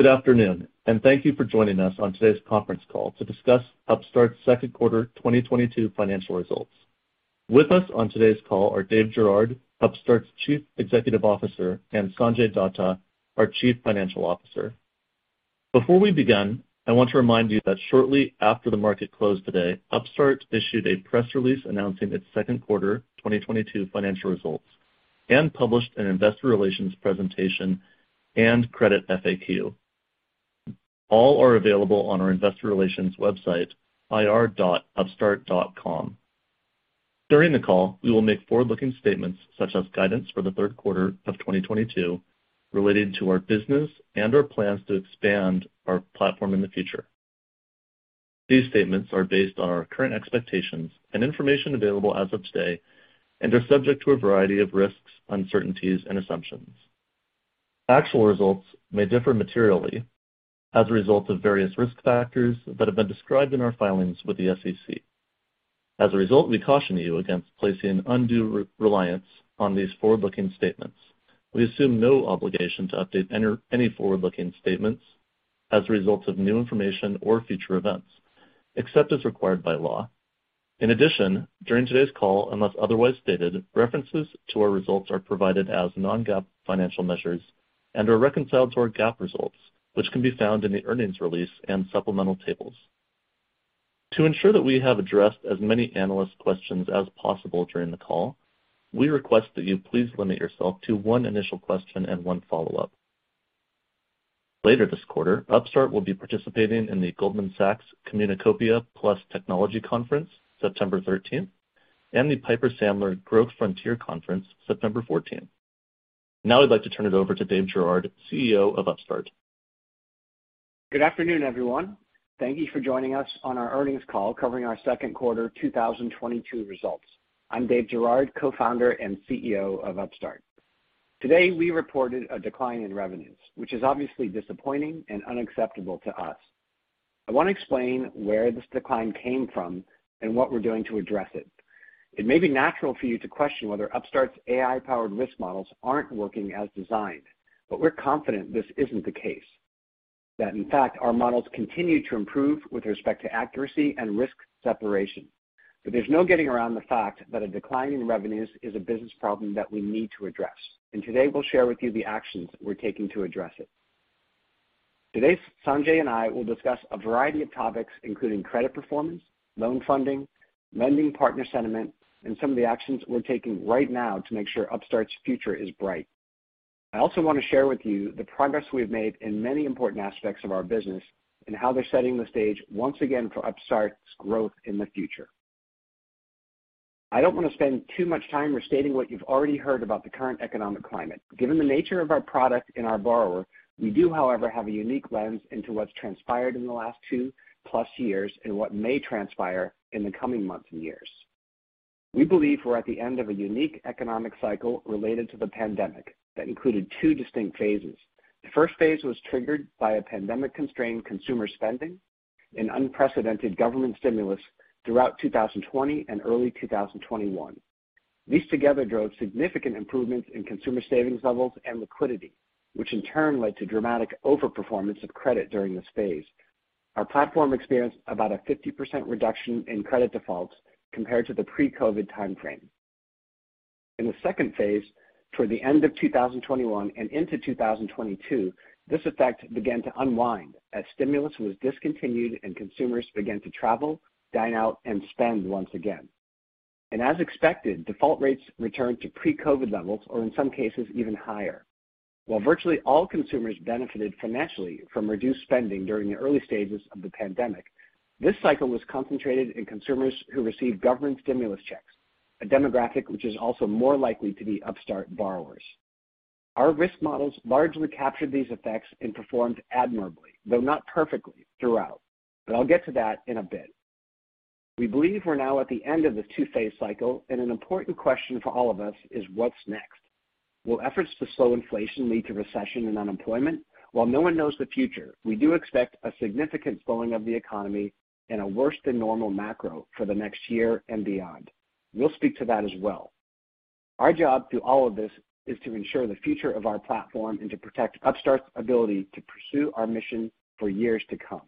Good afternoon, and thank you for joining us on today's conference call to discuss Upstart's second quarter 2022 financial results. With us on today's call are Dave Girouard, Upstart's Chief Executive Officer, and Sanjay Datta, our Chief Financial Officer. Before we begin, I want to remind you that shortly after the market closed today, Upstart issued a press release announcing its second quarter 2022 financial results and published an investor relations presentation and credit FAQ. All are available on our investor relations website, ir.upstart.com. During the call, we will make forward-looking statements such as guidance for the third quarter of 2022 related to our business and our plans to expand our platform in the future. These statements are based on our current expectations and information available as of today and are subject to a variety of risks, uncertainties and assumptions. Actual results may differ materially as a result of various risk factors that have been described in our filings with the SEC. As a result, we caution you against placing undue re-reliance on these forward-looking statements. We assume no obligation to update any forward-looking statements as a result of new information or future events, except as required by law. In addition, during today's call, unless otherwise stated, references to our results are provided as non-GAAP financial measures and are reconciled to our GAAP results, which can be found in the earnings release and supplemental tables. To ensure that we have addressed as many analyst questions as possible during the call, we request that you please limit yourself to one initial question and one follow-up. Later this quarter, Upstart will be participating in the Goldman Sachs Communacopia + Technology Conference, September 13th, and the Piper Sandler Growth Frontiers Conference, September 14th. Now I'd like to turn it over to Dave Girouard, CEO of Upstart. Good afternoon, everyone. Thank you for joining us on our earnings call covering our second quarter 2022 results. I'm Dave Girouard, co-founder and CEO of Upstart. Today, we reported a decline in revenues, which is obviously disappointing and unacceptable to us. I want to explain where this decline came from and what we're doing to address it. It may be natural for you to question whether Upstart's AI-powered risk models aren't working as designed. We're confident this isn't the case, that in fact, our models continue to improve with respect to accuracy and risk separation. There's no getting around the fact that a decline in revenues is a business problem that we need to address. Today, we'll share with you the actions we're taking to address it. Today, Sanjay and I will discuss a variety of topics, including credit performance, loan funding, lending partner sentiment, and some of the actions we're taking right now to make sure Upstart's future is bright. I also want to share with you the progress we've made in many important aspects of our business and how they're setting the stage once again for Upstart's growth in the future. I don't want to spend too much time restating what you've already heard about the current economic climate. Given the nature of our product and our borrower, we do, however, have a unique lens into what's transpired in the last 2+ years and what may transpire in the coming months and years. We believe we're at the end of a unique economic cycle related to the pandemic that included two distinct phases. The first phase was triggered by a pandemic-constrained consumer spending and unprecedented government stimulus throughout 2020 and early 2021. These together drove significant improvements in consumer savings levels and liquidity, which in turn led to dramatic over-performance of credit during this phase. Our platform experienced about a 50% reduction in credit defaults compared to the pre-COVID timeframe. In the second phase, toward the end of 2021 and into 2022, this effect began to unwind as stimulus was discontinued and consumers began to travel, dine out, and spend once again. As expected, default rates returned to pre-COVID levels, or in some cases, even higher. While virtually all consumers benefited financially from reduced spending during the early stages of the pandemic, this cycle was concentrated in consumers who received government stimulus checks, a demographic which is also more likely to be Upstart borrowers. Our risk models largely captured these effects and performed admirably, though not perfectly throughout. I'll get to that in a bit. We believe we're now at the end of this two-phase cycle, and an important question for all of us is what's next? Will efforts to slow inflation lead to recession and unemployment? While no one knows the future, we do expect a significant slowing of the economy and a worse than normal macro for the next year and beyond. We'll speak to that as well. Our job through all of this is to ensure the future of our platform and to protect Upstart's ability to pursue our mission for years to come.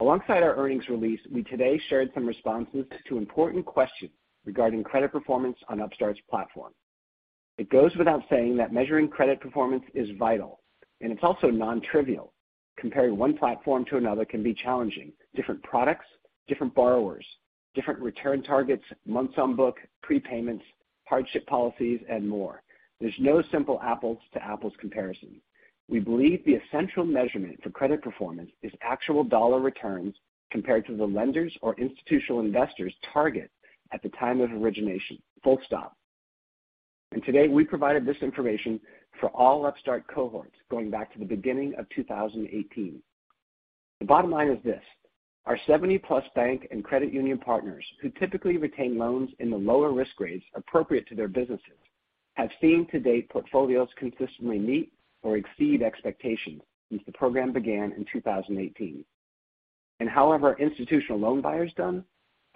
Alongside our earnings release, we today shared some responses to important questions regarding credit performance on Upstart's platform. It goes without saying that measuring credit performance is vital, and it's also non-trivial. Comparing one platform to another can be challenging. Different products, different borrowers, different return targets, months on book, prepayments, hardship policies, and more. There's no simple apples to apples comparison. We believe the essential measurement for credit performance is actual dollar returns compared to the lenders or institutional investors target at the time of origination, full stop. Today, we provided this information for all Upstart cohorts going back to the beginning of 2018. The bottom line is this: our 70-plus bank and credit union partners who typically retain loans in the lower risk grades appropriate to their businesses have seen to date portfolios consistently meet or exceed expectations since the program began in 2018. How have our institutional loan buyers done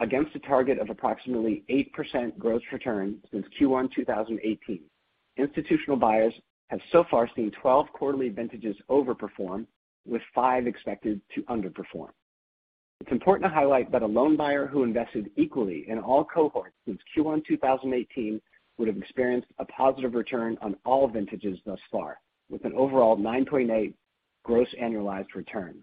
against a target of approximately 8% gross return since Q1 2018? Institutional buyers have so far seen 12 quarterly vintages overperform with five expected to underperform. It's important to highlight that a loan buyer who invested equally in all cohorts since Q1 2018 would have experienced a positive return on all vintages thus far with an overall 9.8% gross annualized return.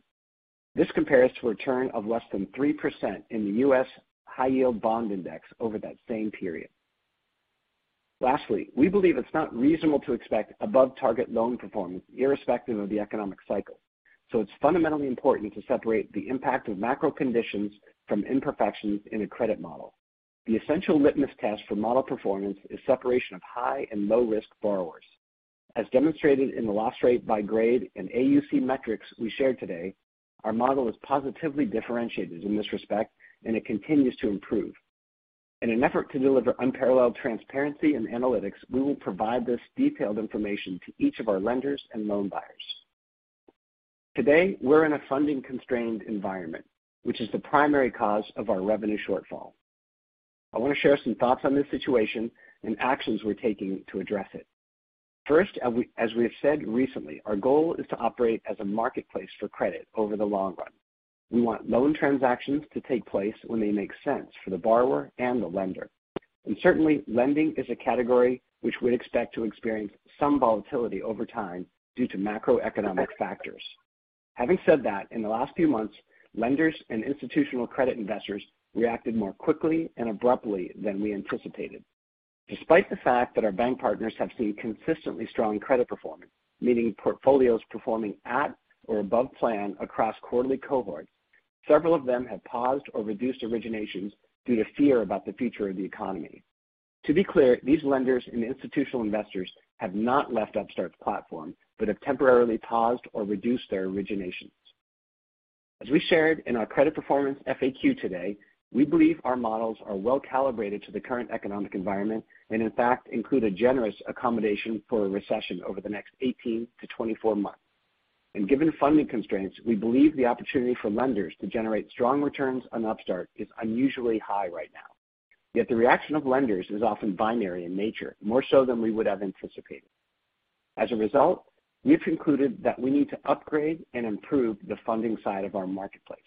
This compares to a return of less than 3% in the U.S. High Yield Bond Index over that same period. Lastly, we believe it's not reasonable to expect above target loan performance irrespective of the economic cycle. It's fundamentally important to separate the impact of macro conditions from imperfections in a credit model. The essential litmus test for model performance is separation of high and low risk borrowers. As demonstrated in the loss rate by grade and AUC metrics we shared today, our model is positively differentiated in this respect, and it continues to improve. In an effort to deliver unparalleled transparency and analytics, we will provide this detailed information to each of our lenders and loan buyers. Today, we're in a funding constrained environment, which is the primary cause of our revenue shortfall. I want to share some thoughts on this situation and actions we're taking to address it. First, as we have said recently, our goal is to operate as a marketplace for credit over the long run. We want loan transactions to take place when they make sense for the borrower and the lender. Certainly, lending is a category which we'd expect to experience some volatility over time due to macroeconomic factors. Having said that, in the last few months, lenders and institutional credit investors reacted more quickly and abruptly than we anticipated. Despite the fact that our bank partners have seen consistently strong credit performance, meaning portfolios performing at or above plan across quarterly cohorts, several of them have paused or reduced originations due to fear about the future of the economy. To be clear, these lenders and institutional investors have not left Upstart's platform, but have temporarily paused or reduced their originations. As we shared in our credit performance FAQ today, we believe our models are well-calibrated to the current economic environment and in fact, include a generous accommodation for a recession over the next 18-24 months. Given funding constraints, we believe the opportunity for lenders to generate strong returns on Upstart is unusually high right now. Yet the reaction of lenders is often binary in nature, more so than we would have anticipated. As a result, we've concluded that we need to upgrade and improve the funding side of our marketplace,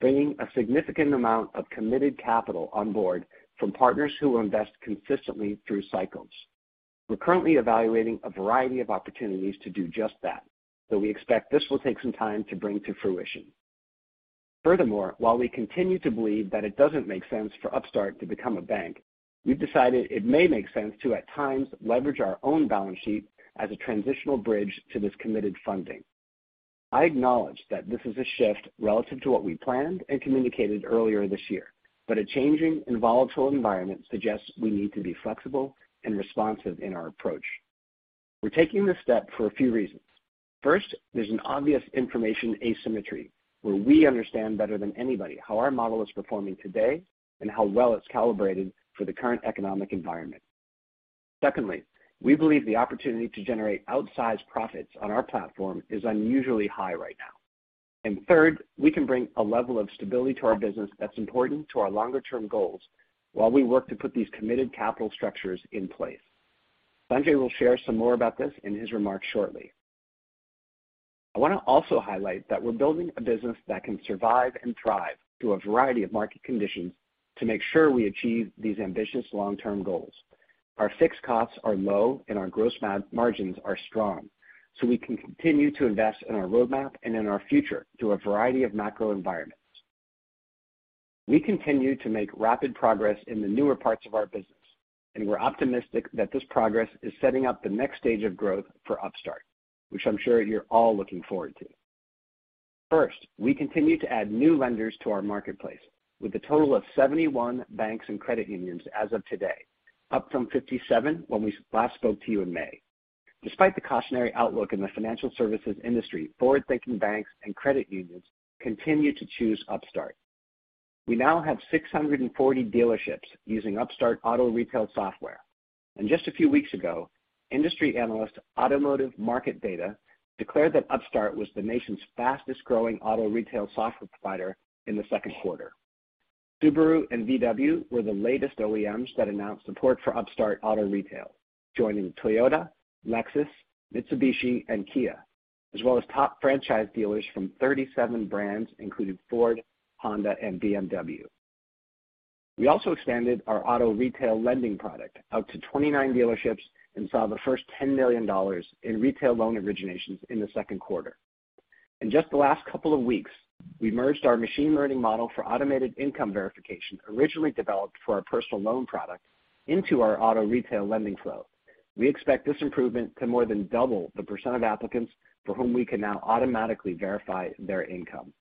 bringing a significant amount of committed capital on board from partners who will invest consistently through cycles. We're currently evaluating a variety of opportunities to do just that, so we expect this will take some time to bring to fruition. Furthermore, while we continue to believe that it doesn't make sense for Upstart to become a bank, we've decided it may make sense to at times leverage our own balance sheet as a transitional bridge to this committed funding. I acknowledge that this is a shift relative to what we planned and communicated earlier this year, but a changing and volatile environment suggests we need to be flexible and responsive in our approach. We're taking this step for a few reasons. First, there's an obvious information asymmetry where we understand better than anybody how our model is performing today and how well it's calibrated for the current economic environment. Secondly, we believe the opportunity to generate outsized profits on our platform is unusually high right now. Third, we can bring a level of stability to our business that's important to our longer term goals while we work to put these committed capital structures in place. Sanjay will share some more about this in his remarks shortly. I want to also highlight that we're building a business that can survive and thrive through a variety of market conditions to make sure we achieve these ambitious long-term goals. Our fixed costs are low and our gross margins are strong, so we can continue to invest in our roadmap and in our future through a variety of macro environments. We continue to make rapid progress in the newer parts of our business, and we're optimistic that this progress is setting up the next stage of growth for Upstart, which I'm sure you're all looking forward to. First, we continue to add new lenders to our marketplace with a total of 71 banks and credit unions as of today, up from 57 when we last spoke to you in May. Despite the cautionary outlook in the financial services industry, forward-thinking banks and credit unions continue to choose Upstart. We now have 640 dealerships using Upstart Auto Retail software. Just a few weeks ago, industry analyst Automotive Market Data declared that Upstart was the nation's fastest growing auto retail software provider in the second quarter. Subaru and VW were the latest OEMs that announced support for Upstart Auto Retail, joining Toyota, Lexus, Mitsubishi, and Kia, as well as top franchise dealers from 37 brands including Ford, Honda, and BMW. We also expanded our auto retail lending product out to 29 dealerships and saw the first $10 million in retail loan originations in the second quarter. In just the last couple of weeks, we merged our machine learning model for automated income verification, originally developed for our personal loan product, into our auto retail lending flow. We expect this improvement to more than double the percent of applicants for whom we can now automatically verify their income.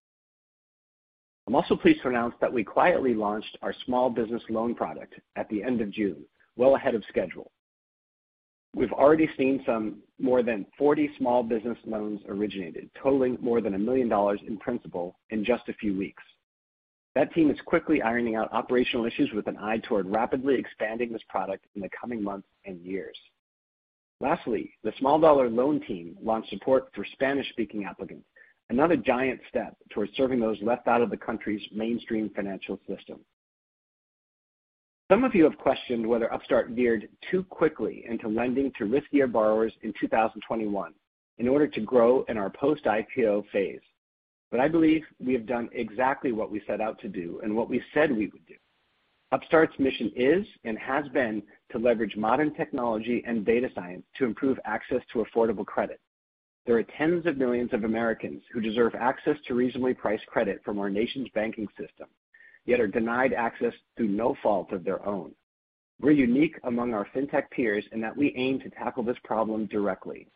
I'm also pleased to announce that we quietly launched our small business loan product at the end of June, well ahead of schedule. We've already seen some more than 40 small business loans originated, totaling more than $1 million in principal in just a few weeks. That team is quickly ironing out operational issues with an eye toward rapidly expanding this product in the coming months and years. Lastly, the small dollar loan team launched support for Spanish-speaking applicants, another giant step towards serving those left out of the country's mainstream financial system. Some of you have questioned whether Upstart veered too quickly into lending to riskier borrowers in 2021 in order to grow in our post-IPO phase. I believe we have done exactly what we set out to do and what we said we would do. Upstart's mission is and has been to leverage modern technology and data science to improve access to affordable credit. There are tens of millions of Americans who deserve access to reasonably priced credit from our nation's banking system, yet are denied access through no fault of their own. We're unique among our fintech peers in that we aim to tackle this problem directly.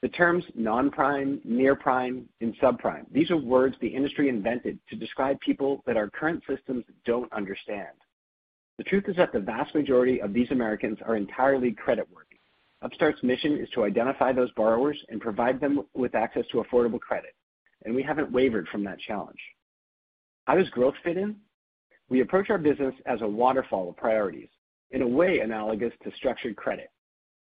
The terms non-prime, near prime, and subprime, these are words the industry invented to describe people that our current systems don't understand. The truth is that the vast majority of these Americans are entirely creditworthy. Upstart's mission is to identify those borrowers and provide them with access to affordable credit, and we haven't wavered from that challenge. How does growth fit in? We approach our business as a waterfall of priorities, in a way analogous to structured credit.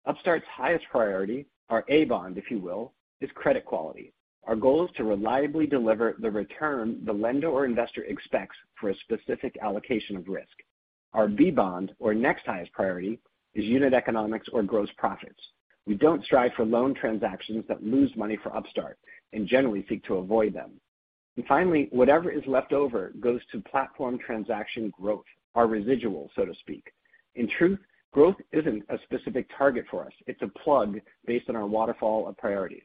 Upstart's highest priority, our A bond, if you will, is credit quality. Our goal is to reliably deliver the return the lender or investor expects for a specific allocation of risk. Our B bond or next highest priority is unit economics or gross profits. We don't strive for loan transactions that lose money for Upstart and generally seek to avoid them. Finally, whatever is left over goes to platform transaction growth, our residual, so to speak. In truth, growth isn't a specific target for us. It's a plug based on our waterfall of priorities.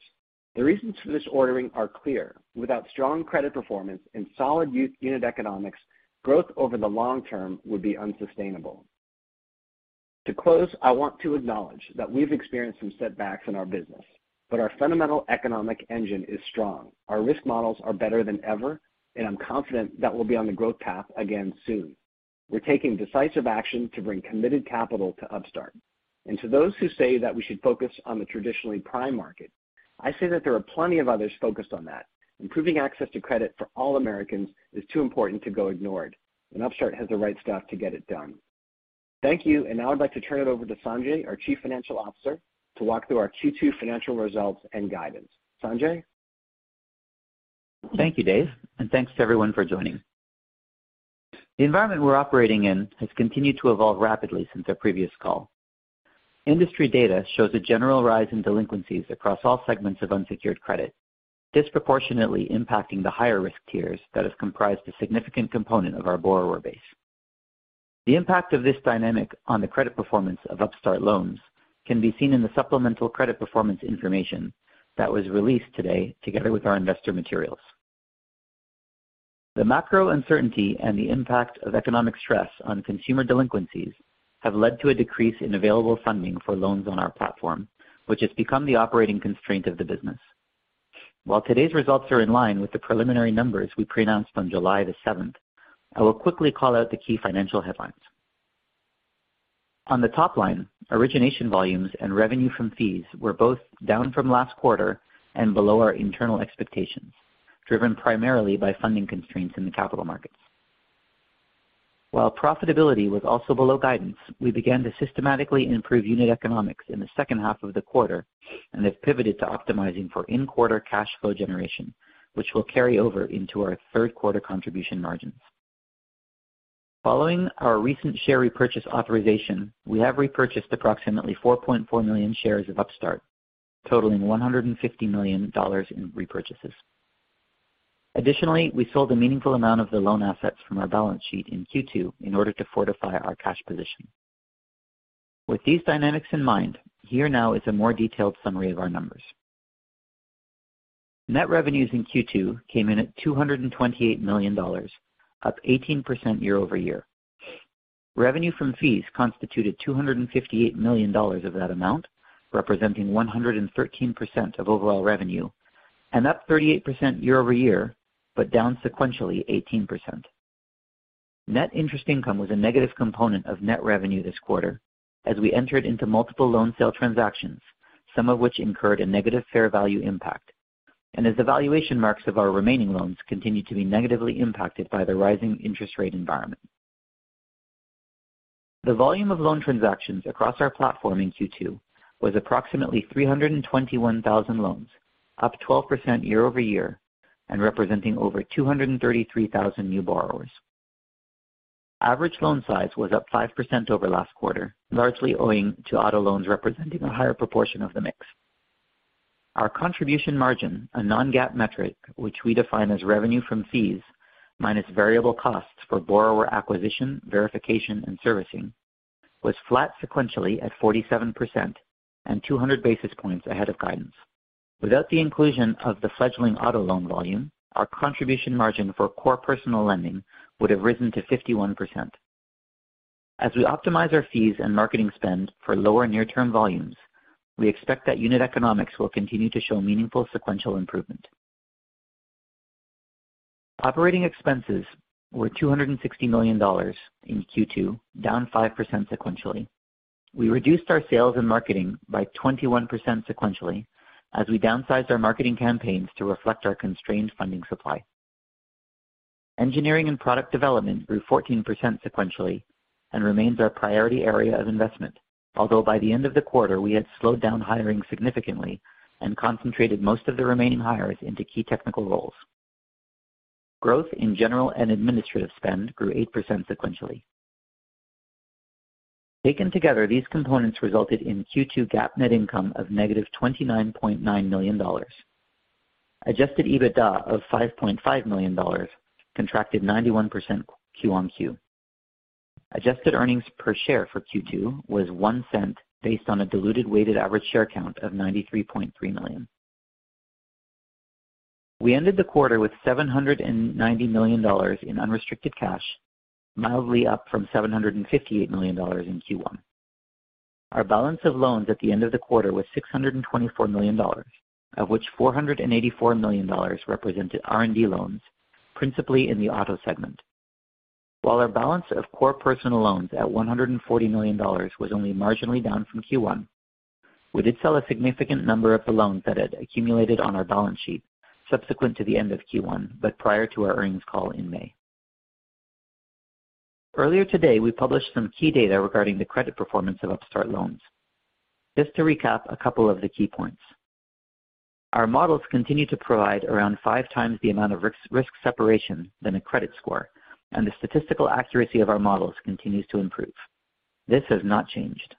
The reasons for this ordering are clear. Without strong credit performance and solid unit economics, growth over the long term would be unsustainable. To close, I want to acknowledge that we've experienced some setbacks in our business, but our fundamental economic engine is strong. Our risk models are better than ever, and I'm confident that we'll be on the growth path again soon. We're taking decisive action to bring committed capital to Upstart. To those who say that we should focus on the traditionally prime market, I say that there are plenty of others focused on that. Improving access to credit for all Americans is too important to go ignored, and Upstart has the right stuff to get it done. Thank you. Now I'd like to turn it over to Sanjay, our Chief Financial Officer, to walk through our Q2 financial results and guidance. Sanjay. Thank you, Dave, and thanks to everyone for joining. The environment we're operating in has continued to evolve rapidly since our previous call. Industry data shows a general rise in delinquencies across all segments of unsecured credit, disproportionately impacting the higher risk tiers that has comprised a significant component of our borrower base. The impact of this dynamic on the credit performance of Upstart loans can be seen in the supplemental credit performance information that was released today together with our investor materials. The macro uncertainty and the impact of economic stress on consumer delinquencies have led to a decrease in available funding for loans on our platform, which has become the operating constraint of the business. While today's results are in line with the preliminary numbers we announced on July the 7th, I will quickly call out the key financial headlines. On the top line, origination volumes and revenue from fees were both down from last quarter and below our internal expectations, driven primarily by funding constraints in the capital markets. While profitability was also below guidance, we began to systematically improve unit economics in the second half of the quarter and have pivoted to optimizing for in-quarter cash flow generation, which will carry over into our third quarter contribution margins. Following our recent share repurchase authorization, we have repurchased approximately 4.4 million shares of Upstart, totaling $150 million in repurchases. Additionally, we sold a meaningful amount of the loan assets from our balance sheet in Q2 in order to fortify our cash position. With these dynamics in mind, here now is a more detailed summary of our numbers. Net revenues in Q2 came in at $228 million, up 18% year-over-year. Revenue from fees constituted $258 million of that amount, representing 113% of overall revenue, and up 38% year-over-year, but down sequentially 18%. Net interest income was a negative component of net revenue this quarter as we entered into multiple loan sale transactions, some of which incurred a negative fair value impact. As the valuation marks of our remaining loans continued to be negatively impacted by the rising interest rate environment. The volume of loan transactions across our platform in Q2 was approximately 321,000 loans, up 12% year-over-year and representing over 233,000 new borrowers. Average loan size was up 5% over last quarter, largely owing to auto loans representing a higher proportion of the mix. Our contribution margin, a non-GAAP metric which we define as revenue from fees minus variable costs for borrower acquisition, verification, and servicing, was flat sequentially at 47% and 200 basis points ahead of guidance. Without the inclusion of the fledgling auto loan volume, our contribution margin for core personal lending would have risen to 51%. As we optimize our fees and marketing spend for lower near-term volumes, we expect that unit economics will continue to show meaningful sequential improvement. Operating expenses were $260 million in Q2, down 5% sequentially. We reduced our sales and marketing by 21% sequentially as we downsized our marketing campaigns to reflect our constrained funding supply. Engineering and product development grew 14% sequentially and remains our priority area of investment. Although by the end of the quarter we had slowed down hiring significantly and concentrated most of the remaining hires into key technical roles. Growth in general and administrative spend grew 8% sequentially. Taken together, these components resulted in Q2 GAAP net income of -$29.9 million. Adjusted EBITDA of $5.5 million contracted 91% Q-on-Q. Adjusted earnings per share for Q2 was $0.01 based on a diluted weighted average share count of 93.3 million. We ended the quarter with $790 million in unrestricted cash, mildly up from $758 million in Q1. Our balance of loans at the end of the quarter was $624 million, of which $484 million represented R&D loans, principally in the auto segment. While our balance of core personal loans at $140 million was only marginally down from Q1, we did sell a significant number of the loans that had accumulated on our balance sheet subsequent to the end of Q1, but prior to our earnings call in May. Earlier today, we published some key data regarding the credit performance of Upstart loans. Just to recap a couple of the key points. Our models continue to provide around five times the amount of risk separation than a credit score, and the statistical accuracy of our models continues to improve. This has not changed.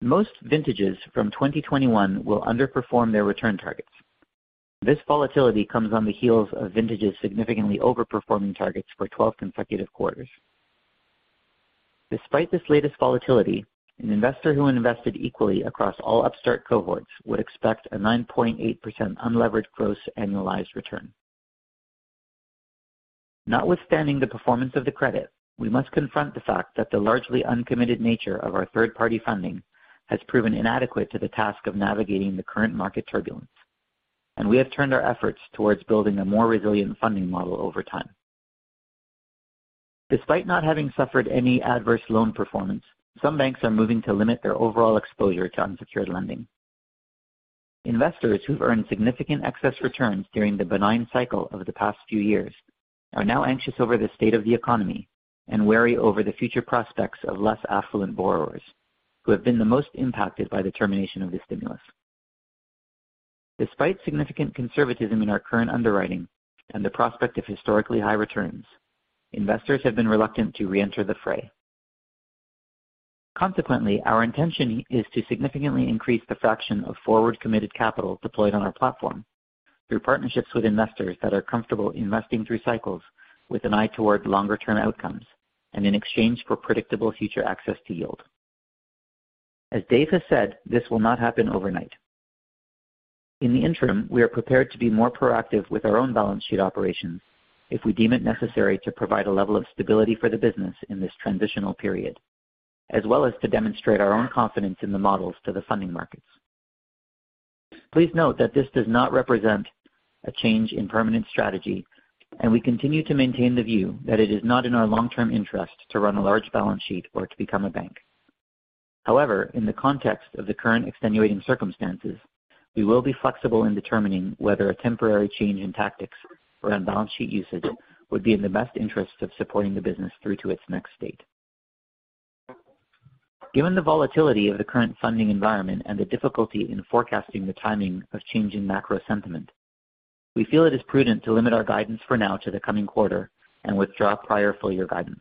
Most vintages from 2021 will underperform their return targets. This volatility comes on the heels of vintages significantly over-performing targets for 12 consecutive quarters. Despite this latest volatility, an investor who invested equally across all Upstart cohorts would expect a 9.8% unlevered gross annualized return. Notwithstanding the performance of the credit, we must confront the fact that the largely uncommitted nature of our third-party funding has proven inadequate to the task of navigating the current market turbulence, and we have turned our efforts towards building a more resilient funding model over time. Despite not having suffered any adverse loan performance, some banks are moving to limit their overall exposure to unsecured lending. Investors who've earned significant excess returns during the benign cycle over the past few years are now anxious over the state of the economy and wary over the future prospects of less affluent borrowers who have been the most impacted by the termination of the stimulus. Despite significant conservatism in our current underwriting and the prospect of historically high returns, investors have been reluctant to reenter the fray. Consequently, our intention is to significantly increase the fraction of forward committed capital deployed on our platform through partnerships with investors that are comfortable investing through cycles with an eye toward longer term outcomes and in exchange for predictable future access to yield. As Dave has said, this will not happen overnight. In the interim, we are prepared to be more proactive with our own balance sheet operations if we deem it necessary to provide a level of stability for the business in this transitional period, as well as to demonstrate our own confidence in the models to the funding markets. Please note that this does not represent a change in permanent strategy, and we continue to maintain the view that it is not in our long-term interest to run a large balance sheet or to become a bank. However, in the context of the current extenuating circumstances, we will be flexible in determining whether a temporary change in tactics around balance sheet usage would be in the best interest of supporting the business through to its next state. Given the volatility of the current funding environment and the difficulty in forecasting the timing of changing macro sentiment, we feel it is prudent to limit our guidance for now to the coming quarter and withdraw prior full year guidance.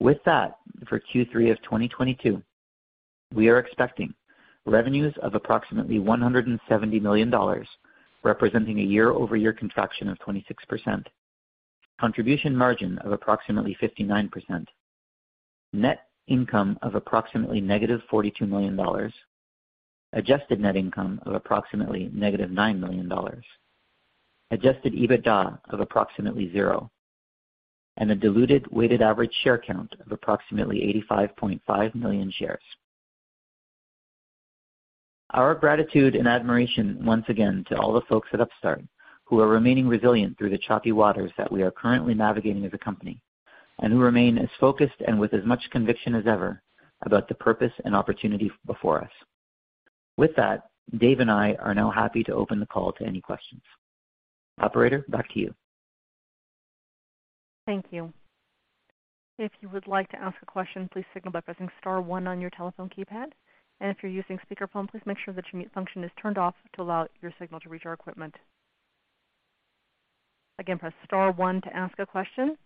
With that, for Q3 of 2022, we are expecting revenues of approximately $170 million, representing a year-over-year contraction of 26%. Contribution margin of approximately 59%. Net income of approximately -$42 million. Adjusted net income of approximately -$9 million. Adjusted EBITDA of approximately 0. A diluted weighted average share count of approximately 85.5 million shares. Our gratitude and admiration once again to all the folks at Upstart who are remaining resilient through the choppy waters that we are currently navigating as a company and who remain as focused and with as much conviction as ever about the purpose and opportunity before us. With that, Dave and I are now happy to open the call to any questions. Operator, back to you. Thank you. If you would like to ask a question, please signal by pressing star one on your telephone keypad. If you're using speakerphone, please make sure that your mute function is turned off to allow your signal to reach our equipment. Again, press star one to ask a question,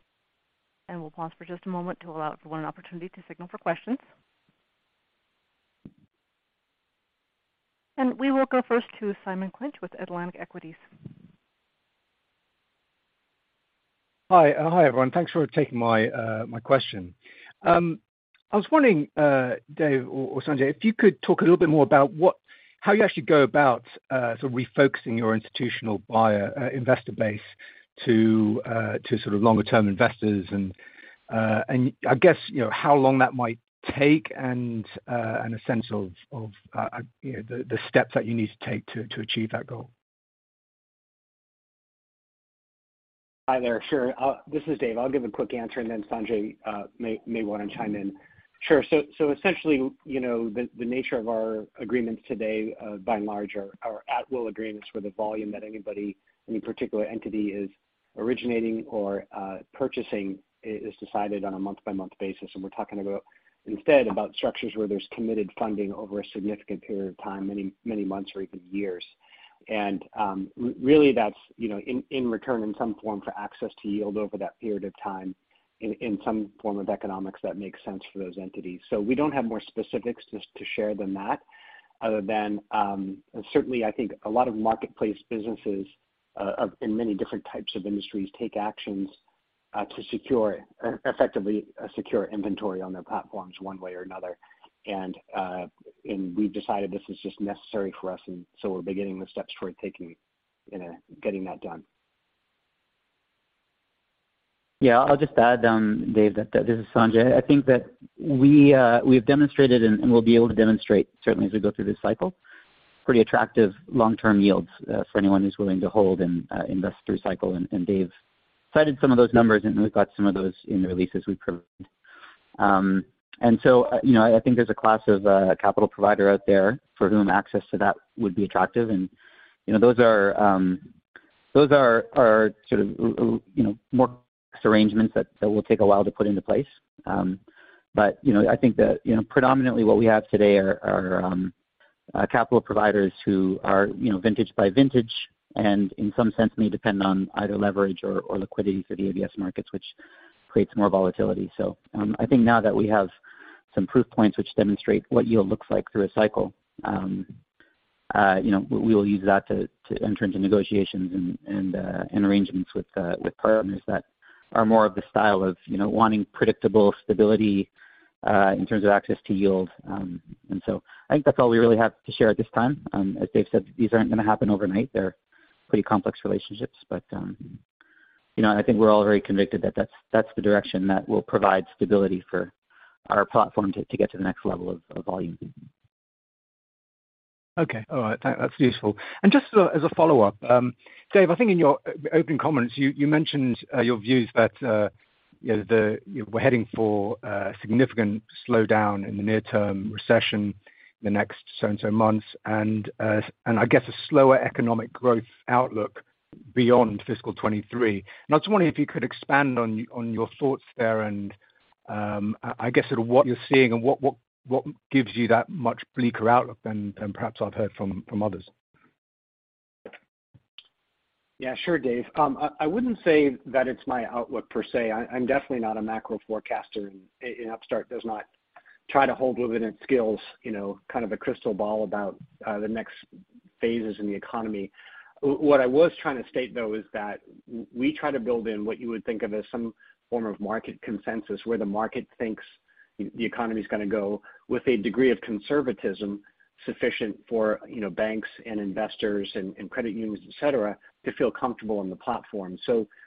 and we'll pause for just a moment to allow for one opportunity to signal for questions. We will go first to Simon Clinch with Atlantic Equities. Hi. Hi, everyone. Thanks for taking my question. I was wondering, Dave or Sanjay, if you could talk a little bit more about how you actually go about sort of refocusing your institutional buy-side investor base to sort of longer-term investors and I guess, you know, how long that might take and a sense of you know, the steps that you need to take to achieve that goal? Hi there. Sure. This is Dave. I'll give a quick answer, and then Sanjay may wanna chime in. Sure. So essentially, you know, the nature of our agreements today, by and large are at will agreements where the volume that anybody, any particular entity is originating or purchasing is decided on a month by month basis. We're talking about instead about structures where there's committed funding over a significant period of time, many months or even years. Really that's, you know, in return in some form for access to yield over that period of time in some form of economics that makes sense for those entities. We don't have more specifics just to share than that other than certainly I think a lot of marketplace businesses in many different types of industries take actions to secure effectively secure inventory on their platforms one way or another. We've decided this is just necessary for us, and so we're beginning the steps toward taking, you know, getting that done. Yeah. I'll just add, Dave, that this is Sanjay. I think that we we've demonstrated and will be able to demonstrate certainly as we go through this cycle pretty attractive long-term yields for anyone who's willing to hold and invest through cycle. Dave cited some of those numbers, and we've got some of those in the releases we've provided. You know, I think there's a class of capital provider out there for whom access to that would be attractive. You know, those are sort of you know, more arrangements that will take a while to put into place. I think that, you know, predominantly what we have today are capital providers who are, you know, vintage by vintage, and in some sense may depend on either leverage or liquidity for the ABS markets, which creates more volatility. I think now that we have some proof points which demonstrate what yield looks like through a cycle, we'll use that to enter into negotiations and arrangements with partners that are more of the style of, you know, wanting predictable stability in terms of access to yield. I think that's all we really have to share at this time. As Dave said, these aren't gonna happen overnight. They're pretty complex relationships. You know, I think we're all very convicted that that's the direction that will provide stability for our platform to get to the next level of volume. Okay. All right. That's useful. Just as a follow-up, Dave, I think in your open comments, you mentioned your views that you know we're heading for a significant slowdown in the near-term recession in the next so and so months. I guess a slower economic growth outlook beyond fiscal 2023. I was wondering if you could expand on your thoughts there. I guess sort of what you're seeing and what gives you that much bleaker outlook than perhaps I've heard from others. Yeah, sure, Dave. I wouldn't say that it's my outlook per se. I'm definitely not a macro forecaster. Upstart does not try to hold within its skills, you know, kind of a crystal ball about the next phases in the economy. What I was trying to state though is that we try to build in what you would think of as some form of market consensus, where the market thinks the economy's gonna go with a degree of conservatism sufficient for, you know, banks and investors and credit unions, et cetera, to feel comfortable in the platform.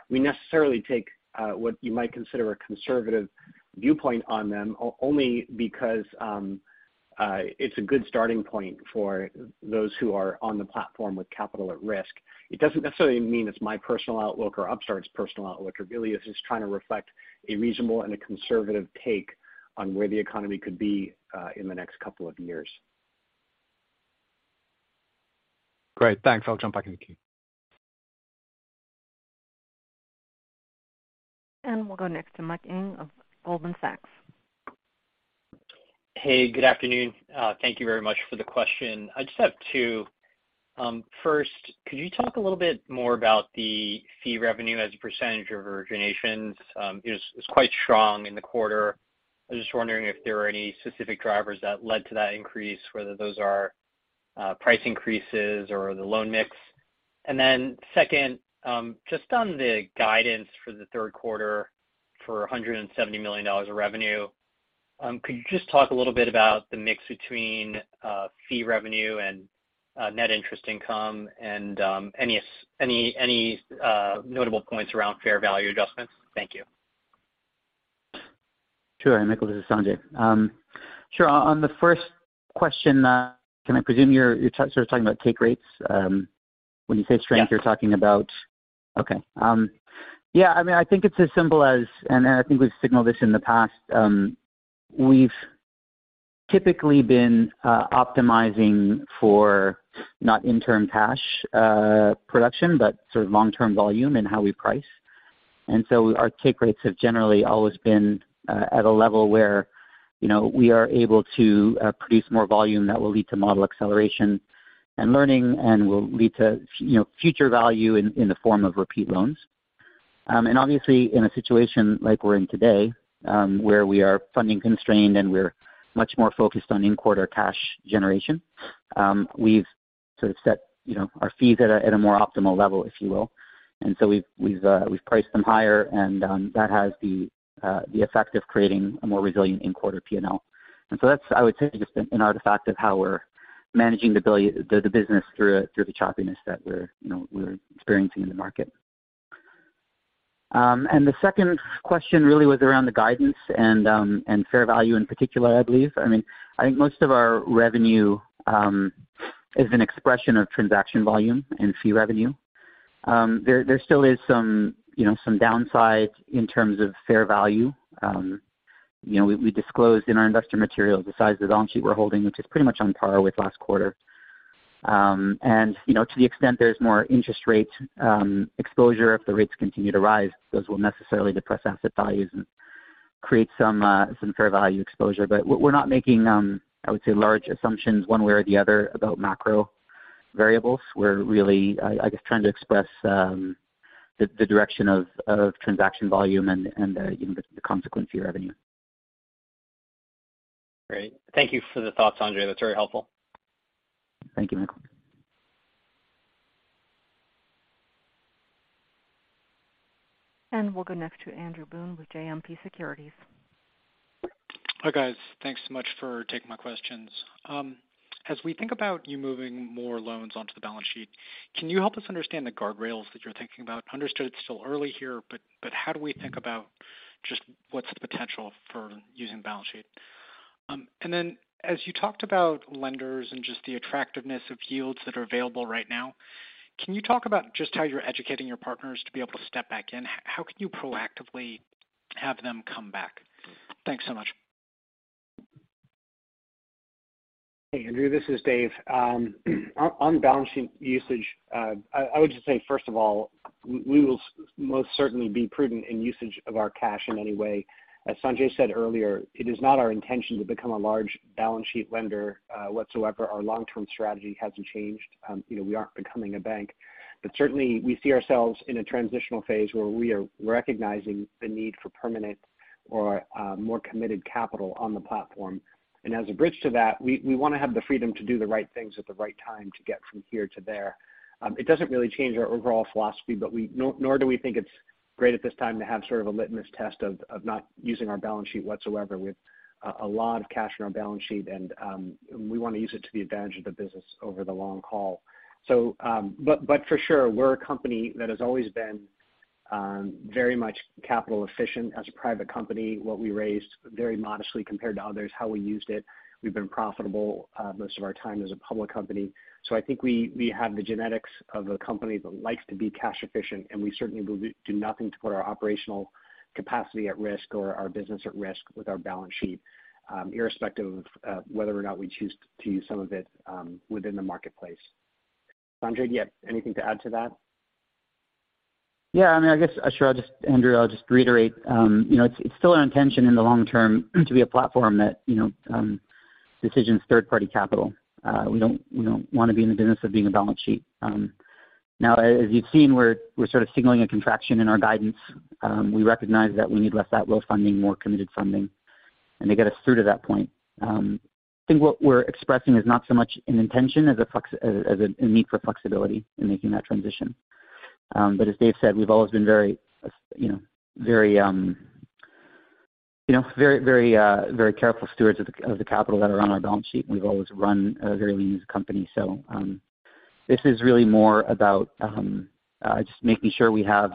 We necessarily take what you might consider a conservative viewpoint on them only because it's a good starting point for those who are on the platform with capital at risk. It doesn't necessarily mean it's my personal outlook or Upstart's personal outlook. It really is just trying to reflect a reasonable and a conservative take on where the economy could be, in the next couple of years. Great. Thanks. I'll jump back in the queue. We'll go next to Mike Ng of Goldman Sachs. Hey, good afternoon. Thank you very much for the question. I just have two. First, could you talk a little bit more about the fee revenue as a percentage of originations? It was quite strong in the quarter. I was just wondering if there are any specific drivers that led to that increase, whether those are price increases or the loan mix. Then second, just on the guidance for the third quarter for $170 million of revenue, could you just talk a little bit about the mix between fee revenue and net interest income and any notable points around fair value adjustments? Thank you. Sure. Michael, this is Sanjay. Sure. On the first question, can I presume you're sort of talking about take rates, when you say strength- Yeah. You're talking about? Okay. Yeah, I mean, I think it's as simple as, and I think we've signaled this in the past, we've typically been optimizing for not interim cash production, but sort of long-term volume and how we price. So our take rates have generally always been at a level where, you know, we are able to produce more volume that will lead to model acceleration and learning and will lead to future value, you know, in the form of repeat loans. And obviously in a situation like we're in today, where we are funding constrained and we're much more focused on in-quarter cash generation, we've sort of set, you know, our fees at a more optimal level, if you will. We've priced them higher and that has the effect of creating a more resilient in-quarter P&L. That's, I would say, just an artifact of how we're managing the business through the choppiness that you know, we're experiencing in the market. The second question really was around the guidance and fair value in particular, I believe. I mean, I think most of our revenue is an expression of transaction volume and fee revenue. There still is some, you know, some downsides in terms of fair value. You know, we disclosed in our investor material the size of the on sheet we're holding, which is pretty much on par with last quarter. You know, to the extent there's more interest rate exposure if the rates continue to rise, those will necessarily depress asset values and create some fair value exposure. We're not making, I would say, large assumptions one way or the other about macro variables. We're really, I guess, trying to express the direction of transaction volume and, you know, the consequence fee revenue. Great. Thank you for the thoughts, Sanjay. That's very helpful. Thank you, Mike. We'll go next to Andrew Boone with JMP Securities. Hi, guys. Thanks so much for taking my questions. As we think about you moving more loans onto the balance sheet, can you help us understand the guardrails that you're thinking about? Understood it's still early here, but how do we think about just what's the potential for using balance sheet? And then as you talked about lenders and just the attractiveness of yields that are available right now, can you talk about just how you're educating your partners to be able to step back in? How can you proactively have them come back? Thanks so much. Hey, Andrew, this is Dave. On balance sheet usage, I would just say, first of all, we will most certainly be prudent in usage of our cash in any way. As Sanjay said earlier, it is not our intention to become a large balance sheet lender, whatsoever. Our long-term strategy hasn't changed. You know, we aren't becoming a bank. Certainly, we see ourselves in a transitional phase where we are recognizing the need for permanent or more committed capital on the platform. As a bridge to that, we wanna have the freedom to do the right things at the right time to get from here to there. It doesn't really change our overall philosophy, but nor do we think it's great at this time to have sort of a litmus test of not using our balance sheet whatsoever with a lot of cash on our balance sheet. We wanna use it to the advantage of the business over the long haul. For sure, we're a company that has always been very much capital efficient as a private company, what we raised very modestly compared to others, how we used it. We've been profitable most of our time as a public company. I think we have the genetics of a company that likes to be cash efficient, and we certainly will do nothing to put our operational capacity at risk or our business at risk with our balance sheet, irrespective of whether or not we choose to use some of it within the marketplace. Sanjay, do you have anything to add to that? Yeah. I mean, Andrew, I'll just reiterate. You know, it's still our intention in the long term to be a platform that, you know, directs third-party capital. We don't wanna be in the business of being a balance sheet. Now, as you've seen, we're sort of signaling a contraction in our guidance. We recognize that we need less of that low funding, more committed funding and to get us through to that point. I think what we're expressing is not so much an intention as a need for flexibility in making that transition. As Dave said, we've always been very, you know, very careful stewards of the capital that's on our balance sheet. We've always run a very lean company. This is really more about just making sure we have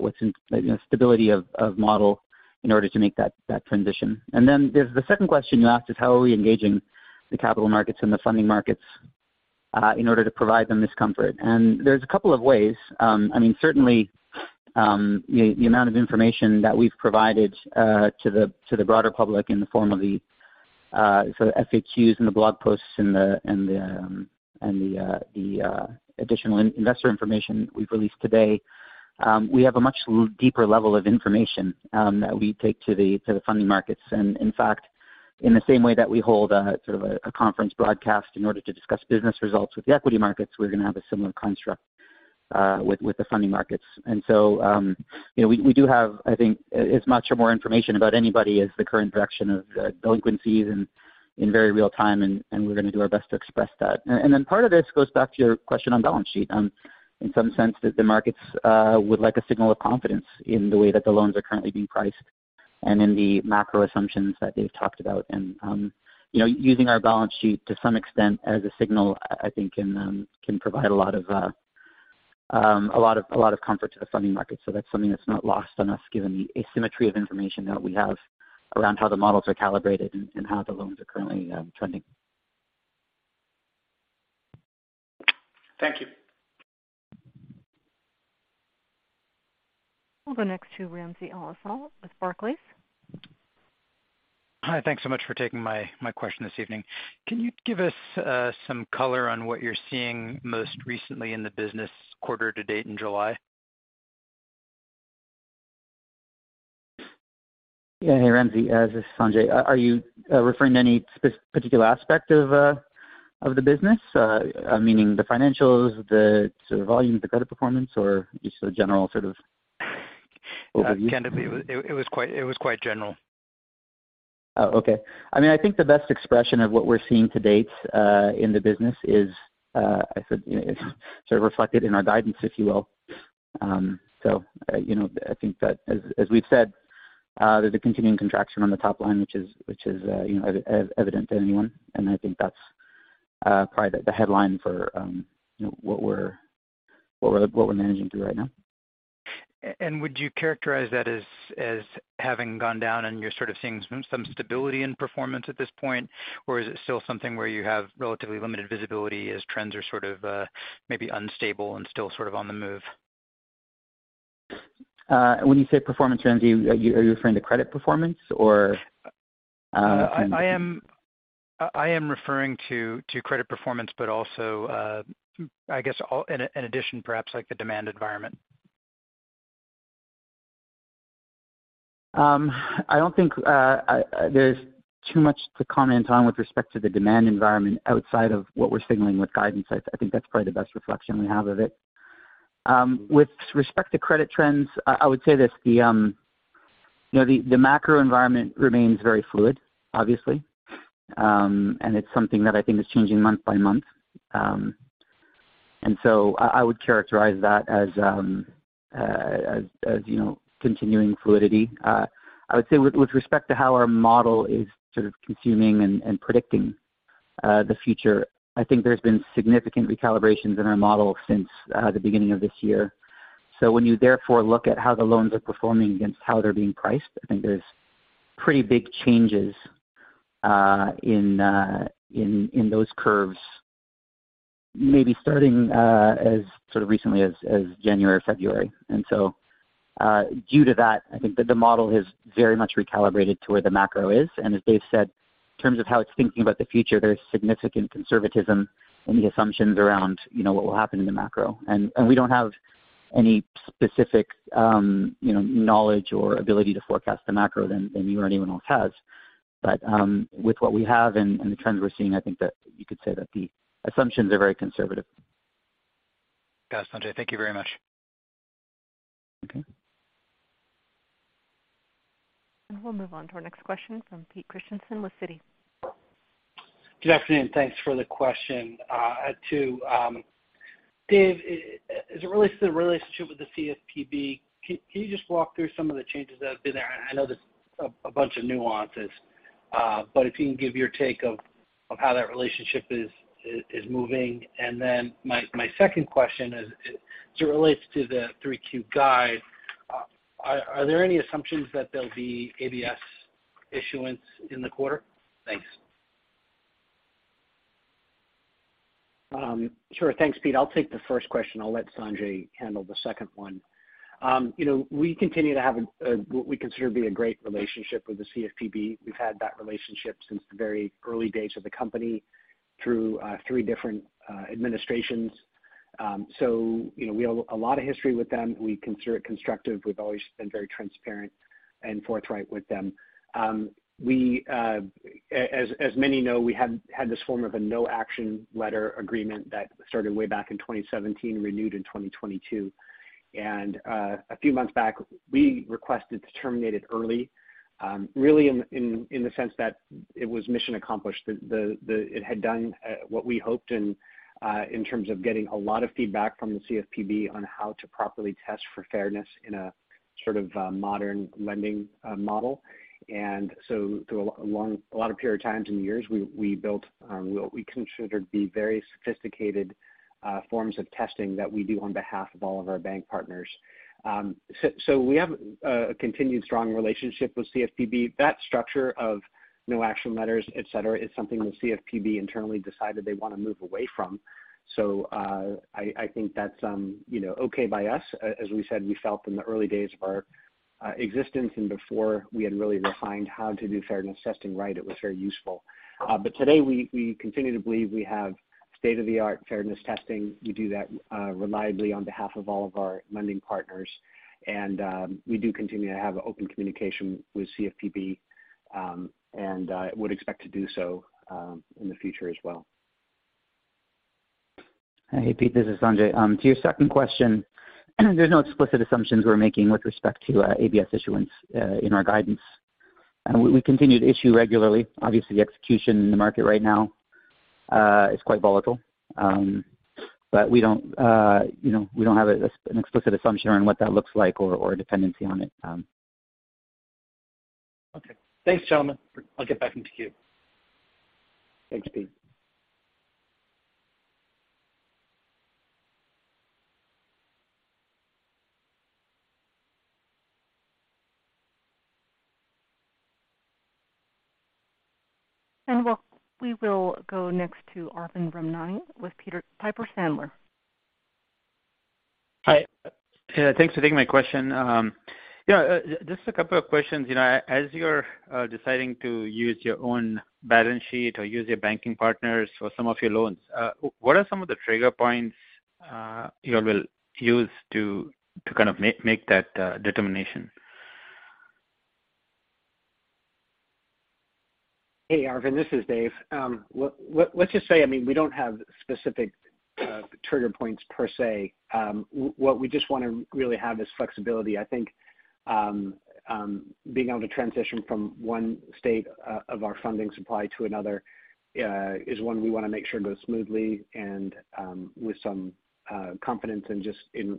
what we need is stability of model in order to make that transition. There's the second question you asked is how are we engaging the capital markets and the funding markets in order to provide them this comfort? There's a couple of ways. I mean, certainly, the amount of information that we've provided to the broader public in the form of the sort of FAQs and the blog posts and the additional investor information we've released today, we have a much deeper level of information that we take to the funding markets. In fact, in the same way that we hold sort of a conference broadcast in order to discuss business results with the equity markets, we're gonna have a similar construct with the funding markets. You know, we do have, I think, as much or more information about anybody as the current direction of delinquencies and in very real time, and we're gonna do our best to express that. Part of this goes back to your question on balance sheet, in some sense that the markets would like a signal of confidence in the way that the loans are currently being priced and in the macro assumptions that they've talked about. You know, using our balance sheet to some extent as a signal, I think can provide a lot of comfort to the funding market. That's something that's not lost on us given the asymmetry of information that we have around how the models are calibrated and how the loans are currently trending. Thank you. We'll go next to Ramsey El-Assal with Barclays. Hi. Thanks so much for taking my question this evening. Can you give us some color on what you're seeing most recently in the business quarter to date in July? Yeah. Hey, Ramsey, this is Sanjay. Are you referring to any particular aspect of the business? Meaning the financials, the sort of volume, the credit performance, or just a general sort of overview? Kind of, it was quite general. Oh, okay. I mean, I think the best expression of what we're seeing to date in the business is, as I said, you know, sort of reflected in our guidance, if you will. You know, I think that as we've said, there's a continuing contraction on the top line, which is, you know, evident to anyone, and I think that's probably the headline for, you know, what we're managing through right now. Would you characterize that as having gone down and you're sort of seeing some stability in performance at this point? Or is it still something where you have relatively limited visibility as trends are sort of maybe unstable and still sort of on the move? When you say performance trends, are you referring to credit performance or? I am referring to credit performance, but also, I guess in addition perhaps like the demand environment. I don't think there's too much to comment on with respect to the demand environment outside of what we're signaling with guidance. I think that's probably the best reflection we have of it. With respect to credit trends, I would say you know, the macro environment remains very fluid, obviously. It's something that I think is changing month by month. I would characterize that as you know, continuing fluidity. I would say with respect to how our model is sort of consuming and predicting the future, I think there's been significant recalibrations in our model since the beginning of this year. When you therefore look at how the loans are performing against how they're being priced, I think there's pretty big changes in those curves maybe starting as recently as January, February. Due to that, I think that the model has very much recalibrated to where the macro is. As Dave said, in terms of how it's thinking about the future, there's significant conservatism in the assumptions around, you know, what will happen in the macro. We don't have any specific, you know, knowledge or ability to forecast the macro than you or anyone else has. But with what we have and the trends we're seeing, I think that you could say that the assumptions are very conservative. Got it, Sanjay. Thank you very much. Okay. We'll move on to our next question from Pete Christiansen with Citi. Good afternoon, thanks for the question. To Dave, as it relates to the relationship with the CFPB, can you just walk through some of the changes that have been there? I know there's a bunch of nuances, but if you can give your take of how that relationship is moving. My second question is as it relates to the 3Q guide. Are there any assumptions that there'll be ABS issuance in the quarter? Thanks. Sure. Thanks, Pete. I'll take the first question. I'll let Sanjay handle the second one. You know, we continue to have what we consider to be a great relationship with the CFPB. We've had that relationship since the very early days of the company through three different administrations. You know, we have a lot of history with them. We consider it constructive. We've always been very transparent and forthright with them. As many know, we have had this form of a no-action letter agreement that started way back in 2017, renewed in 2022. A few months back, we requested to terminate it early, really in the sense that it was mission accomplished. It had done what we hoped and in terms of getting a lot of feedback from the CFPB on how to properly test for fairness in a sort of modern lending model. Through a long period of time and years, we built what we considered to be very sophisticated forms of testing that we do on behalf of all of our bank partners. We have a continued strong relationship with CFPB. That structure of no-action letters, et cetera, is something the CFPB internally decided they want to move away from. I think that's you know okay by us. As we said, we felt in the early days of our existence and before we had really refined how to do fairness testing right, it was very useful. Today, we continue to believe we have state-of-the-art fairness testing. We do that reliably on behalf of all of our lending partners. We do continue to have open communication with CFPB and would expect to do so in the future as well. Hey, Pete, this is Sanjay. To your second question, there's no explicit assumptions we're making with respect to ABS issuance in our guidance. We continue to issue regularly. Obviously, execution in the market right now is quite volatile. But we don't, you know, we don't have an explicit assumption on what that looks like or a dependency on it. Okay. Thanks, gentlemen. I'll get back into queue. Thanks, Pete. We will go next to Arvind Ramnani with Piper Sandler. Hi. Yeah, thanks for taking my question. Yeah, just a couple of questions. You know, as you're deciding to use your own balance sheet or use your banking partners for some of your loans, what are some of the trigger points you will use to kind of make that determination? Hey, Arvind, this is Dave. Let's just say, I mean, we don't have specific trigger points per se. What we just want to really have is flexibility. I think, being able to transition from one state of our funding supply to another is one we want to make sure goes smoothly and with some confidence and just in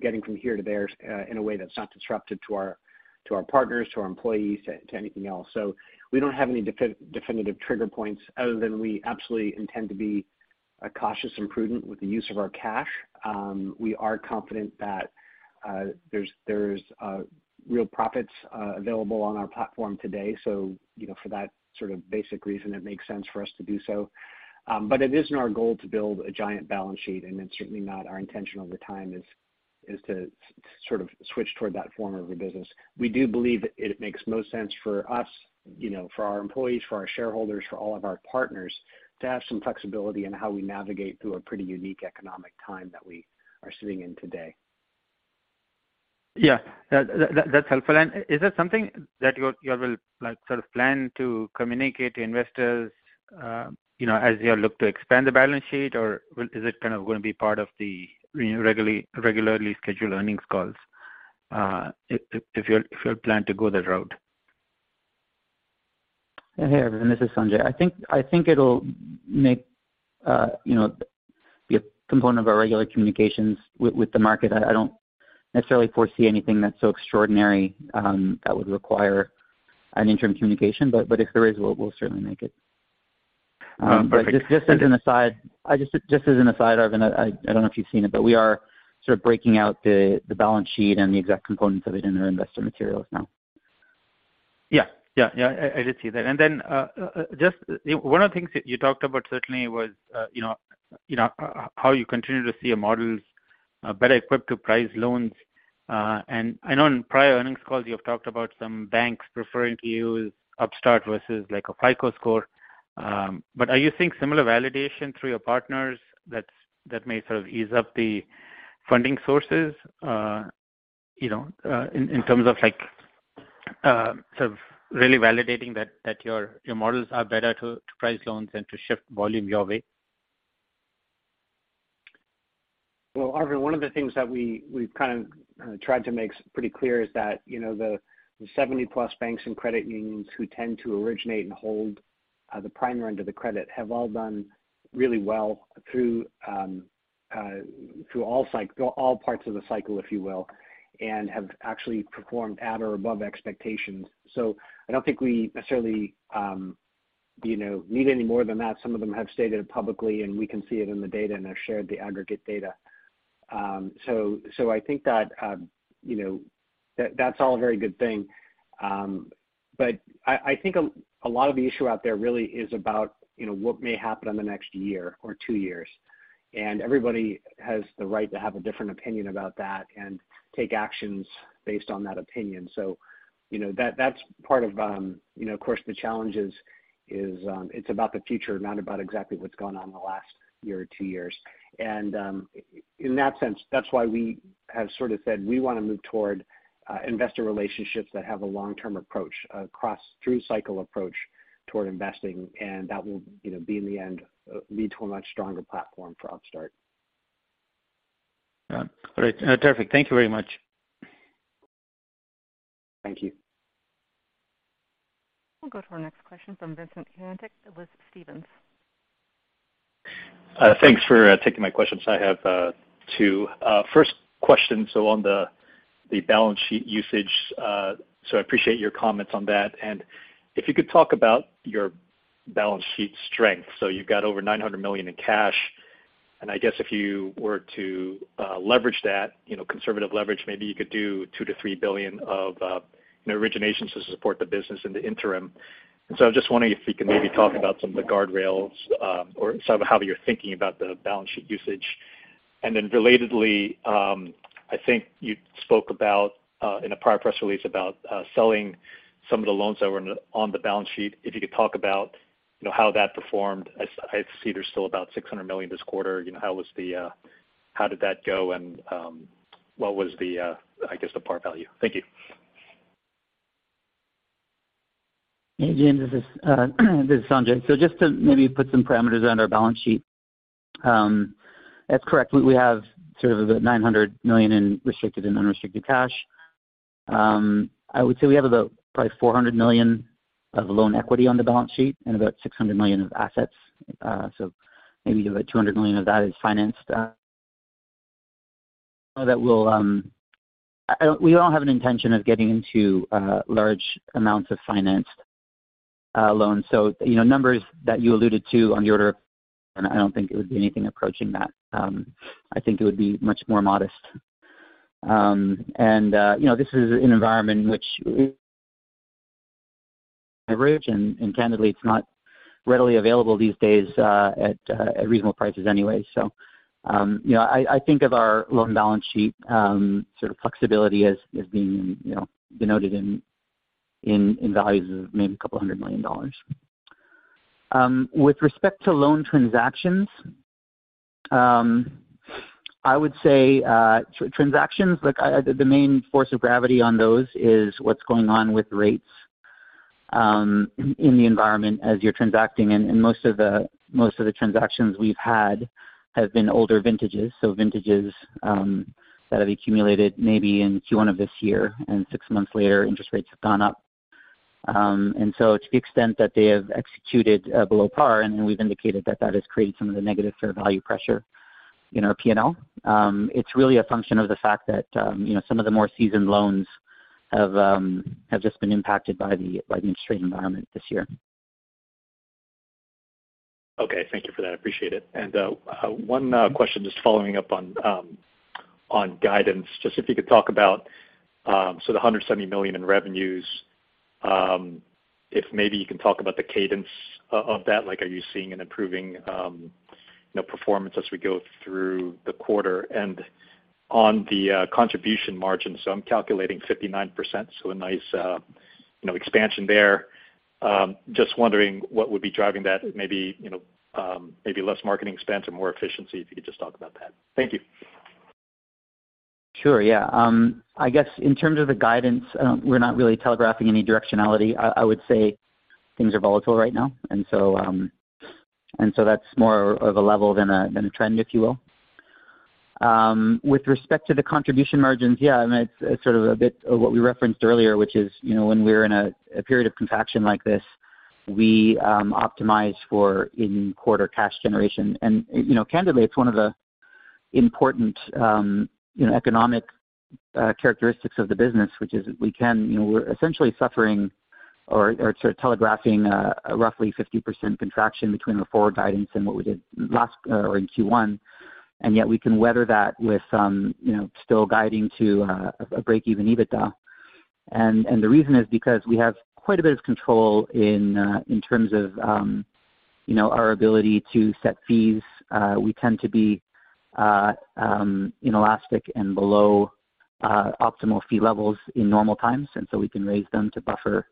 getting from here to there in a way that's not disruptive to our partners, to our employees, to anything else. We don't have any definitive trigger points other than we absolutely intend to be a cautious and prudent with the use of our cash. We are confident that there's real profits available on our platform today. You know, for that sort of basic reason, it makes sense for us to do so. It isn't our goal to build a giant balance sheet, and it's certainly not our intention over time is to sort of switch toward that form of a business. We do believe it makes most sense for us, you know, for our employees, for our shareholders, for all of our partners, to have some flexibility in how we navigate through a pretty unique economic time that we are sitting in today. Yeah. That's helpful. Is that something that you will, like, sort of plan to communicate to investors, you know, as you look to expand the balance sheet? Is it kind of gonna be part of the regularly scheduled earnings calls, if you plan to go that route? Hey, Arvind, this is Sanjay. I think it'll make you know be a component of our regular communications with the market. I don't necessarily foresee anything that's so extraordinary that would require an interim communication. If there is, we'll certainly make it. Perfect. Just as an aside, Arvind, I don't know if you've seen it, but we are sort of breaking out the balance sheet and the exact components of it in our investor materials now. Yeah. I did see that. Then, just one of the things that you talked about certainly was, you know, how you continue to see your models better equipped to price loans. I know in prior earnings calls you have talked about some banks preferring to use Upstart versus like a FICO score. But are you seeing similar validation through your partners that may sort of ease up the funding sources, you know, in terms of like sort of really validating that your models are better to price loans and to shift volume your way? Well, Arvind, one of the things that we've kind of tried to make pretty clear is that, you know, the 70-plus banks and credit unions who tend to originate and hold the prime end of the credit have all done really well through all cycles, all parts of the cycle, if you will, and have actually performed at or above expectations. I don't think we necessarily, you know, need any more than that. Some of them have stated it publicly, and we can see it in the data, and have shared the aggregate data. I think that, you know, that's all a very good thing. I think a lot of the issue out there really is about, you know, what may happen in the next year or two years. Everybody has the right to have a different opinion about that and take actions based on that opinion. You know, that's part of, you know, of course the challenge is, it's about the future, not about exactly what's gone on in the last year or two years. In that sense, that's why we have sort of said we wanna move toward investor relationships that have a long-term approach, across through cycle approach toward investing, and that will be in the end lead to a much stronger platform for Upstart. Got it. All right. Terrific. Thank you very much. Thank you. We'll go to our next question from Vincent Caintic with Stephens. Thanks for taking my questions. I have two. First question, on the balance sheet usage, I appreciate your comments on that. If you could talk about your balance sheet strength. You've got over $900 million in cash, and I guess if you were to leverage that, you know, conservative leverage, maybe you could do $2 billion-$3 billion of, you know, originations to support the business in the interim. I'm just wondering if you can maybe talk about some of the guardrails, or sort of how you're thinking about the balance sheet usage. Then relatedly, I think you spoke about in a prior press release about selling some of the loans that were on the balance sheet. If you could talk about, you know, how that performed. I see there's still about $600 million this quarter. You know, how did that go, and what was the, I guess, the par value? Thank you. Hey, James, this is Sanjay. Just to maybe put some parameters on our balance sheet. That's correct. We have sort of about $900 million in restricted and unrestricted cash. I would say we have about probably $400 million of loan equity on the balance sheet and about $600 million of assets. Maybe about $200 million of that is financed. We don't have an intention of getting into large amounts of financed loans. You know, numbers that you alluded to on the order of, and I don't think it would be anything approaching that. I think it would be much more modest. You know, this is an environment in which average, candidly, it's not readily available these days at reasonable prices anyway. I think of our loan balance sheet sort of flexibility as being denoted in values of maybe $200 million. With respect to loan transactions, I would say the main force of gravity on those is what's going on with rates in the environment as you're transacting. Most of the transactions we've had have been older vintages that have accumulated maybe in Q1 of this year, and six months later, interest rates have gone up. To the extent that they have executed below par, and we've indicated that that has created some of the negative sort of value pressure in our P&L. It's really a function of the fact that, you know, some of the more seasoned loans have just been impacted by the interest rate environment this year. Okay. Thank you for that. I appreciate it. One question just following up on guidance. Just if you could talk about so the $170 million in revenues, if maybe you can talk about the cadence of that. Like, are you seeing an improving, you know, performance as we go through the quarter? On the contribution margin, so I'm calculating 59%, so a nice, you know, expansion there. Just wondering what would be driving that. Maybe, you know, maybe less marketing spend or more efficiency, if you could just talk about that. Thank you. Sure. Yeah. I guess in terms of the guidance, we're not really telegraphing any directionality. I would say things are volatile right now, and so that's more of a level than a trend, if you will. With respect to the contribution margins, yeah, I mean, it's sort of a bit of what we referenced earlier, which is, you know, when we're in a period of contraction like this, we optimize for in-quarter cash generation. You know, candidly, it's one of the important economic characteristics of the business, which is we can. You know, we're essentially suffering or sort of telegraphing a roughly 50% contraction between the forward guidance and what we did last or in Q1. Yet we can weather that with some, you know, still guiding to a break-even EBITDA. The reason is because we have quite a bit of control in terms of, you know, our ability to set fees. We tend to be inelastic and below optimal fee levels in normal times, and so we can raise them to buffer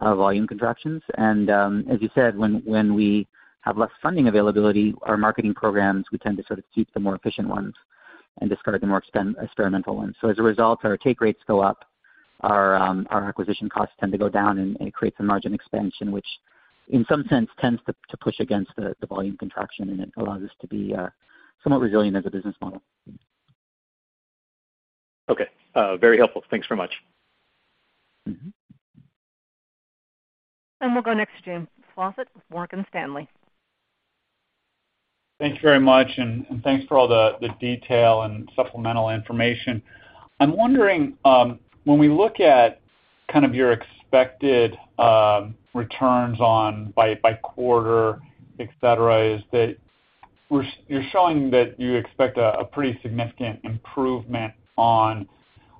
volume contractions. As you said, when we have less funding availability, our marketing programs, we tend to sort of keep the more efficient ones and discard the more experimental ones. As a result, our take rates go up, our acquisition costs tend to go down, and it creates a margin expansion, which in some sense tends to push against the volume contraction, and it allows us to be somewhat resilient as a business model. Okay. Very helpful. Thanks very much. Mm-hmm. We'll go next to James Faucette with Morgan Stanley. Thank you very much, and thanks for all the detail and supplemental information. I'm wondering when we look at kind of your expected returns by quarter, et cetera, you're showing that you expect a pretty significant improvement on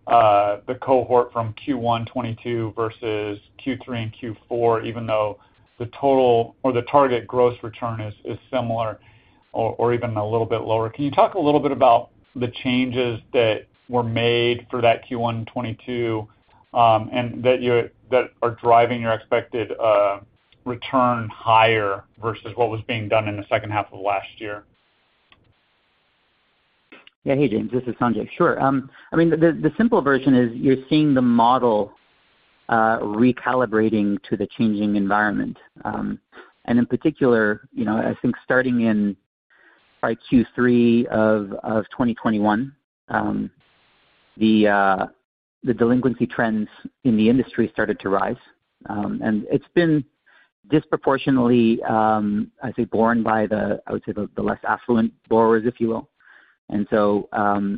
the cohort from Q1 2022 versus Q3 and Q4, even though the total or the target gross return is similar or even a little bit lower. Can you talk a little bit about the changes that were made for that Q1 2022 and that are driving your expected return higher versus what was being done in the second half of last year? Hey, James. This is Sanjay. Sure. I mean, the simple version is you're seeing the model recalibrating to the changing environment. In particular, you know, I think starting in, like, Q3 of 2021, the delinquency trends in the industry started to rise. It's been disproportionately, I'd say borne by the, I would say, the less affluent borrowers, if you will.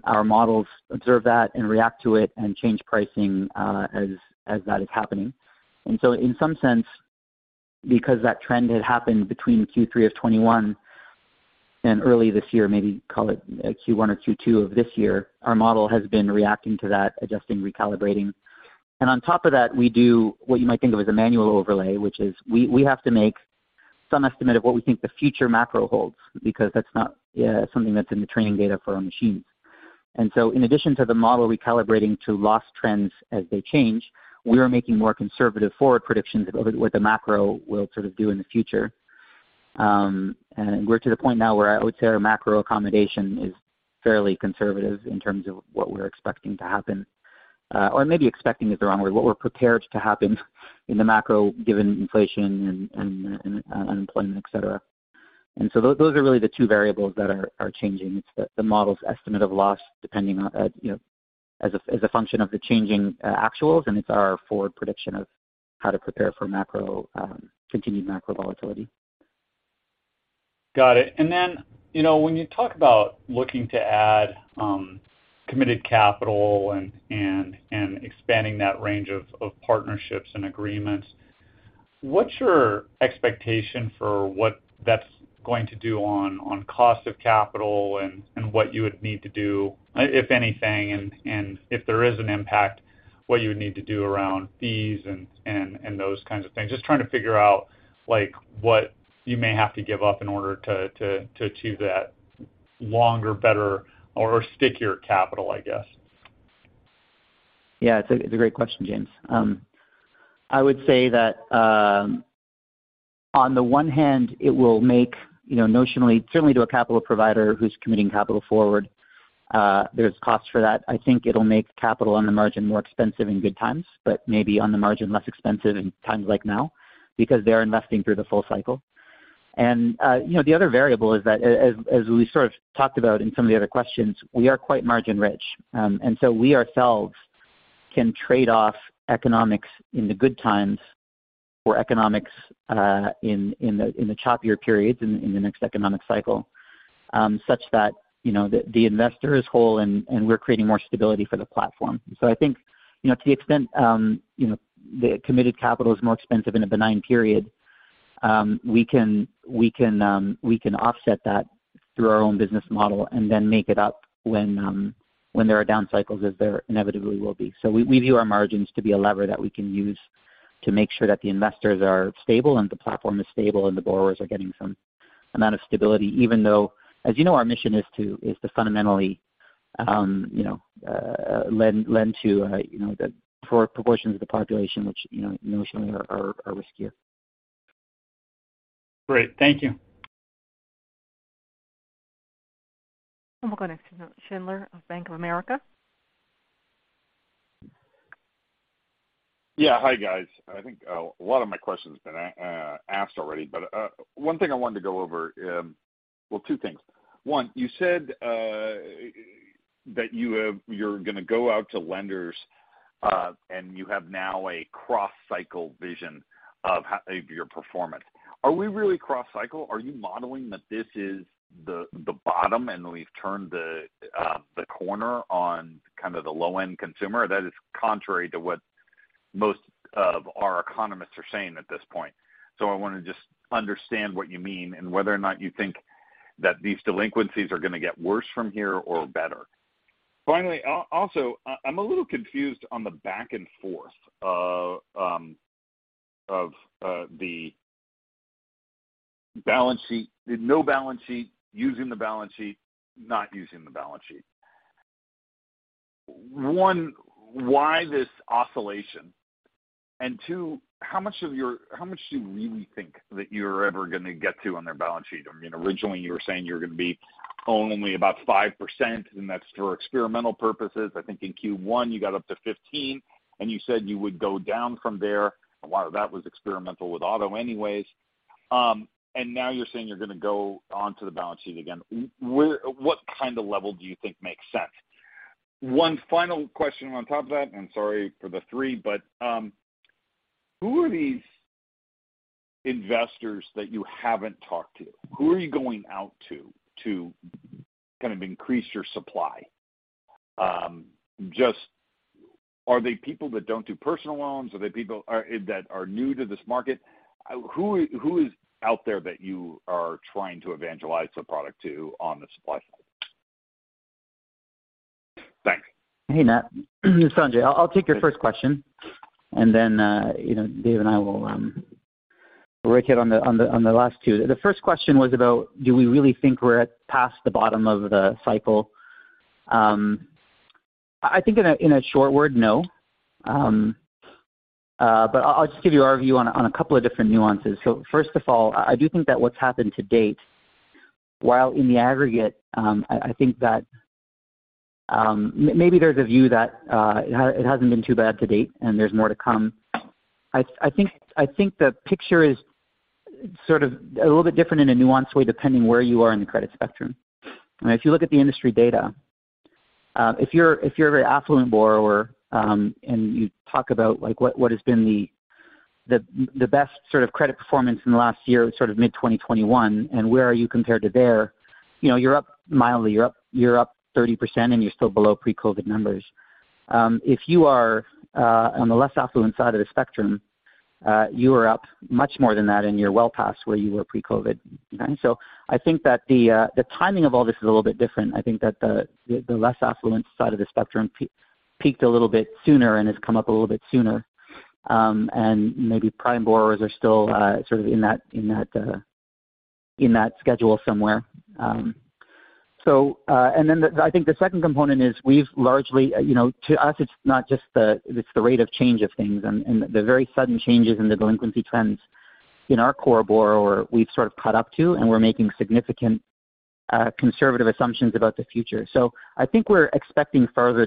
Our models observe that and react to it and change pricing as that is happening. In some sense, because that trend had happened between Q3 of 2021 and early this year, maybe call it Q1 or Q2 of this year, our model has been reacting to that, adjusting, recalibrating. On top of that, we do what you might think of as a manual overlay, which is we have to make some estimate of what we think the future macro holds because that's not something that's in the training data for our machines. In addition to the model recalibrating to loss trends as they change, we are making more conservative forward predictions of what the macro will sort of do in the future. We're to the point now where I would say our macro accommodation is fairly conservative in terms of what we're expecting to happen. Or maybe expecting is the wrong word. What we're prepared to happen in the macro given inflation and unemployment, et cetera. Those are really the two variables that are changing. It's the model's estimate of loss depending on, you know, as a function of the changing actuals, and it's our forward prediction of how to prepare for macro continued macro volatility. Got it. You know, when you talk about looking to add committed capital and expanding that range of partnerships and agreements, what's your expectation for what that's going to do on cost of capital and what you would need to do, if anything, and if there is an impact, what you would need to do around fees and those kinds of things? Just trying to figure out, like, what you may have to give up in order to achieve that longer, better or stickier capital, I guess. Yeah. It's a great question, James. I would say that on the one hand, it will make, you know, notionally, certainly to a capital provider who's committing capital forward, there's costs for that. I think it'll make capital on the margin more expensive in good times, but maybe on the margin less expensive in times like now because they're investing through the full cycle. You know, the other variable is that as we sort of talked about in some of the other questions, we are quite margin-rich. So we ourselves can trade off economics in the good times for economics in the choppier periods in the next economic cycle, such that, you know, the investor is whole and we're creating more stability for the platform. I think, you know, to the extent the committed capital is more expensive in a benign period, we can offset that through our own business model and then make it up when there are down cycles, as there inevitably will be. We view our margins to be a lever that we can use to make sure that the investors are stable and the platform is stable and the borrowers are getting some amount of stability, even though, as you know, our mission is to fundamentally lend to the poorer portions of the population which, you know, notionally are riskier. Great. Thank you. We'll go next to Nat Schindler of Bank of America. Yeah. Hi, guys. I think a lot of my question's been asked already, but one thing I wanted to go over. Well, two things. One, you said that you have you're gonna go out to lenders, and you have now a cross-cycle vision of your performance. Are we really cross-cycle? Are you modeling that this is the bottom, and we've turned the corner on kind of the low-end consumer? That is contrary to what most of our economists are saying at this point. I wanna just understand what you mean and whether or not you think that these delinquencies are gonna get worse from here or better. Finally, also, I'm a little confused on the back and forth of the balance sheet. No balance sheet, using the balance sheet, not using the balance sheet. One, why this oscillation? Two, how much do you really think that you're ever gonna get to on their balance sheet? I mean, originally you were saying you were gonna be only about 5%, and that's for experimental purposes. I think in Q1 you got up to 15%, and you said you would go down from there while that was experimental with auto anyways. Now you're saying you're gonna go onto the balance sheet again. What kind of level do you think makes sense? One final question on top of that, and sorry for the three, but who are these investors that you haven't talked to? Who are you going out to kind of increase your supply? Just, are they people that don't do personal loans? Are they people that are new to this market? Who is out there that you are trying to evangelize the product to on the supply side? Thanks. Hey, Nat, it's Sanjay. I'll take your first question, and then you know, Dave and I will work on the last two. The first question was about, do we really think we're past the bottom of the cycle? I think in a word, no. But I'll just give you our view on a couple of different nuances. First of all, I do think that what's happened to date, while in the aggregate, I think that maybe there's a view that it hasn't been too bad to date and there's more to come. I think the picture is sort of a little bit different in a nuanced way depending where you are in the credit spectrum. I mean, if you look at the industry data, if you're a very affluent borrower, and you talk about, like, what has been the best sort of credit performance in the last year, sort of mid-2021, and where are you compared to there, you know, you're up mildly. You're up 30% and you're still below pre-COVID numbers. If you are on the less affluent side of the spectrum, you are up much more than that and you're well past where you were pre-COVID. Okay. I think that the timing of all this is a little bit different. I think that the less affluent side of the spectrum peaked a little bit sooner and has come up a little bit sooner. Maybe prime borrowers are still sort of in that schedule somewhere. I think the second component is we've largely, you know, to us it's not just the, it's the rate of change of things and the very sudden changes in the delinquency trends in our core borrower we've sort of caught up to and we're making significant conservative assumptions about the future. I think we're expecting further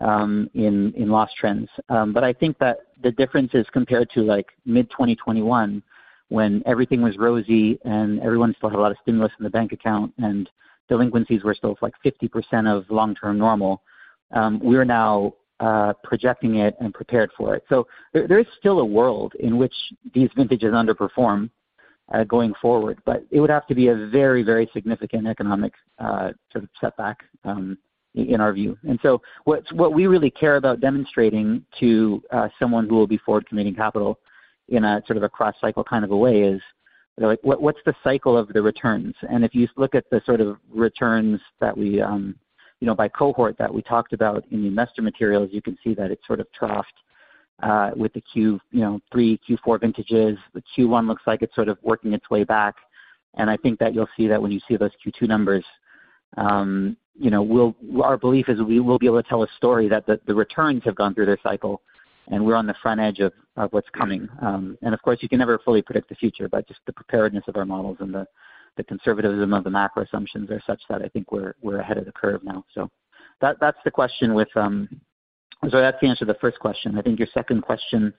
degradation in loss trends. I think that the difference is compared to like mid-2021, when everything was rosy and everyone still had a lot of stimulus in the bank account and delinquencies were still, like, 50% of long-term normal, we are now projecting it and prepared for it. There is still a world in which these vintages underperform going forward, but it would have to be a very, very significant economic sort of setback in our view. What we really care about demonstrating to someone who will be forward committing capital in a sort of a cross-cycle kind of a way is, you know, like what's the cycle of the returns? If you look at the sort of returns that we, you know, by cohort that we talked about in the investor materials, you can see that it sort of troughed with the Q3, Q4 vintages. The Q1 looks like it's sort of working its way back. I think that you'll see that when you see those Q2 numbers. You know, our belief is we will be able to tell a story that the returns have gone through their cycle and we're on the front edge of what's coming. And of course, you can never fully predict the future, but just the preparedness of our models and the conservatism of the macro assumptions are such that I think we're ahead of the curve now. Sorry, that's the answer to the first question. I think your second question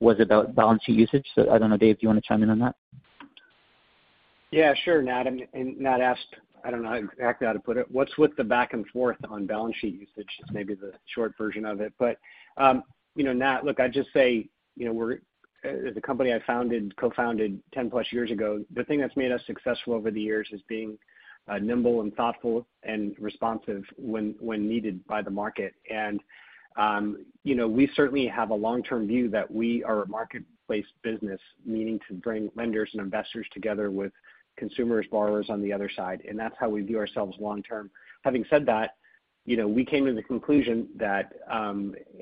was about balance sheet usage. I don't know, Dave, do you wanna chime in on that? Yeah, sure, Nat. Nat asked, I don't know exactly how to put it. What's with the back and forth on balance sheet usage? Maybe the short version of it. You know, Nat, look, I'd just say, you know, we're the company I founded, co-founded 10+ years ago, the thing that's made us successful over the years is being nimble and thoughtful and responsive when needed by the market. You know, we certainly have a long-term view that we are a marketplace business, meaning to bring lenders and investors together with consumers, borrowers on the other side, and that's how we view ourselves long-term. Having said that, you know, we came to the conclusion that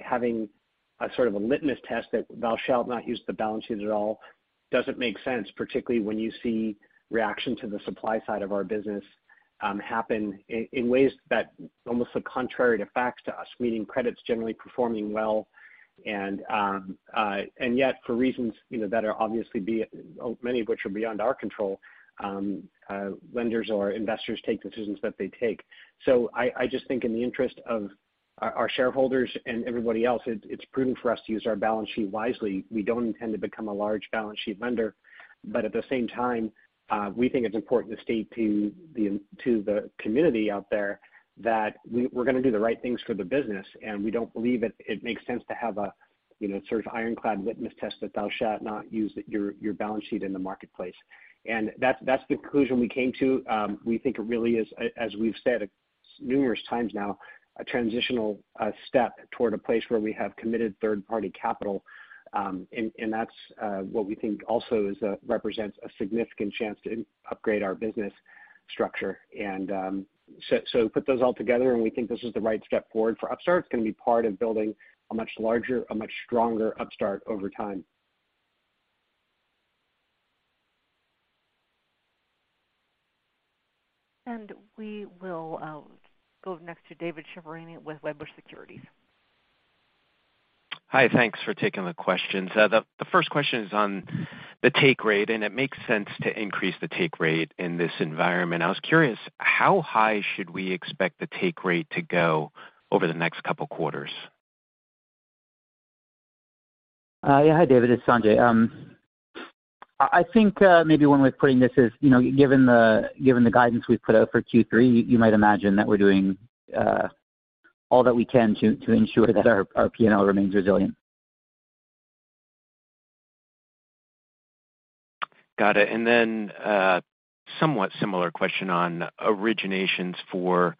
having a sort of a litmus test that thou shalt not use the balance sheet at all doesn't make sense, particularly when you see reaction to the supply side of our business happen in ways that almost are contrary to facts to us, meaning credit's generally performing well. Yet for reasons, you know, that are obviously many of which are beyond our control, lenders or investors take decisions that they take. I just think in the interest of our shareholders and everybody else, it's prudent for us to use our balance sheet wisely. We don't intend to become a large balance sheet lender. At the same time, we think it's important to state to the community out there that we're gonna do the right things for the business, and we don't believe it makes sense to have a you know sort of ironclad litmus test that thou shalt not use your balance sheet in the marketplace. That's the conclusion we came to. We think it really is, as we've said numerous times now, a transitional step toward a place where we have committed third-party capital. That's what we think also represents a significant chance to upgrade our business structure. Put those all together, and we think this is the right step forward for Upstart. It's gonna be part of building a much larger, a much stronger Upstart over time. We will go next to David Scharf with JMP Securities. Hi. Thanks for taking the questions. The first question is on the take rate, and it makes sense to increase the take rate in this environment. I was curious, how high should we expect the take rate to go over the next couple quarters? Hi, David, it's Sanjay. I think maybe one way of putting this is, you know, given the guidance we've put out for Q3, you might imagine that we're doing all that we can to ensure that our P&L remains resilient. Got it. Somewhat similar question on originations for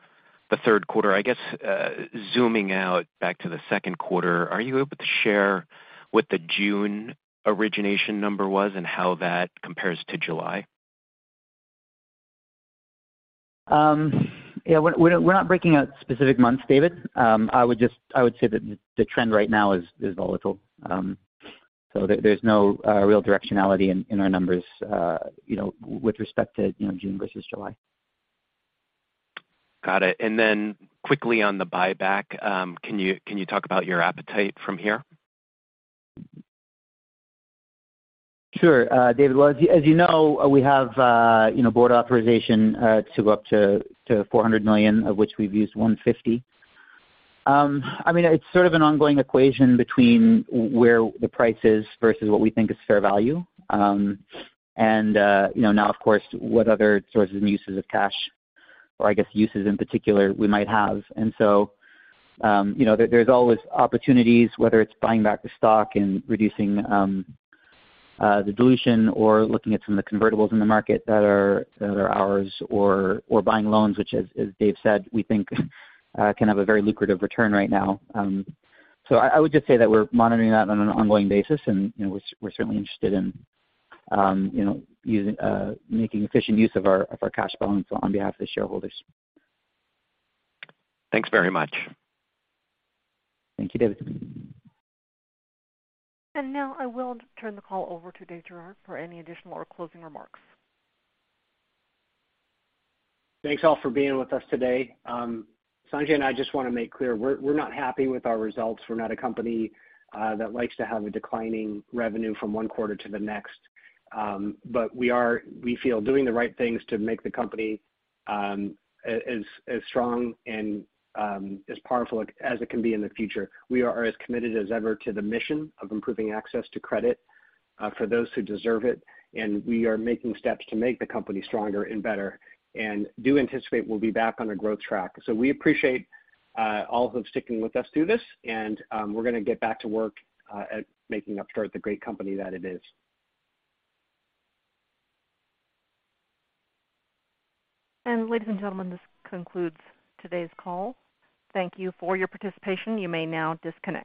the third quarter. I guess, zooming out back to the second quarter, are you able to share what the June origination number was and how that compares to July? Yeah, we're not breaking out specific months, David. I would say that the trend right now is volatile. There's no real directionality in our numbers, you know, with respect to, you know, June versus July. Got it. Quickly on the buyback, can you talk about your appetite from here? Sure, David. Well, as you know, we have, you know, board authorization to go up to $400 million, of which we've used $150 million. I mean, it's sort of an ongoing equation between where the price is versus what we think is fair value. You know, now of course, what other sources and uses of cash or I guess uses in particular we might have. There's always opportunities, whether it's buying back the stock and reducing the dilution or looking at some of the convertibles in the market that are ours or buying loans, which as Dave said, we think can have a very lucrative return right now. I would just say that we're monitoring that on an ongoing basis, and you know, we're certainly interested in you know, making efficient use of our cash balance on behalf of the shareholders. Thanks very much. Thank you, David. Now I will turn the call over to Dave Girouard for any additional or closing remarks. Thanks all for being with us today. Sanjay and I just wanna make clear, we're not happy with our results. We're not a company that likes to have a declining revenue from one quarter to the next. We are, we feel, doing the right things to make the company as strong and as powerful as it can be in the future. We are as committed as ever to the mission of improving access to credit for those who deserve it, and we are making steps to make the company stronger and better and do anticipate we'll be back on a growth track. We appreciate all of sticking with us through this, and we're gonna get back to work at making Upstart the great company that it is. Ladies and gentlemen, this concludes today's call. Thank you for your participation. You may now disconnect.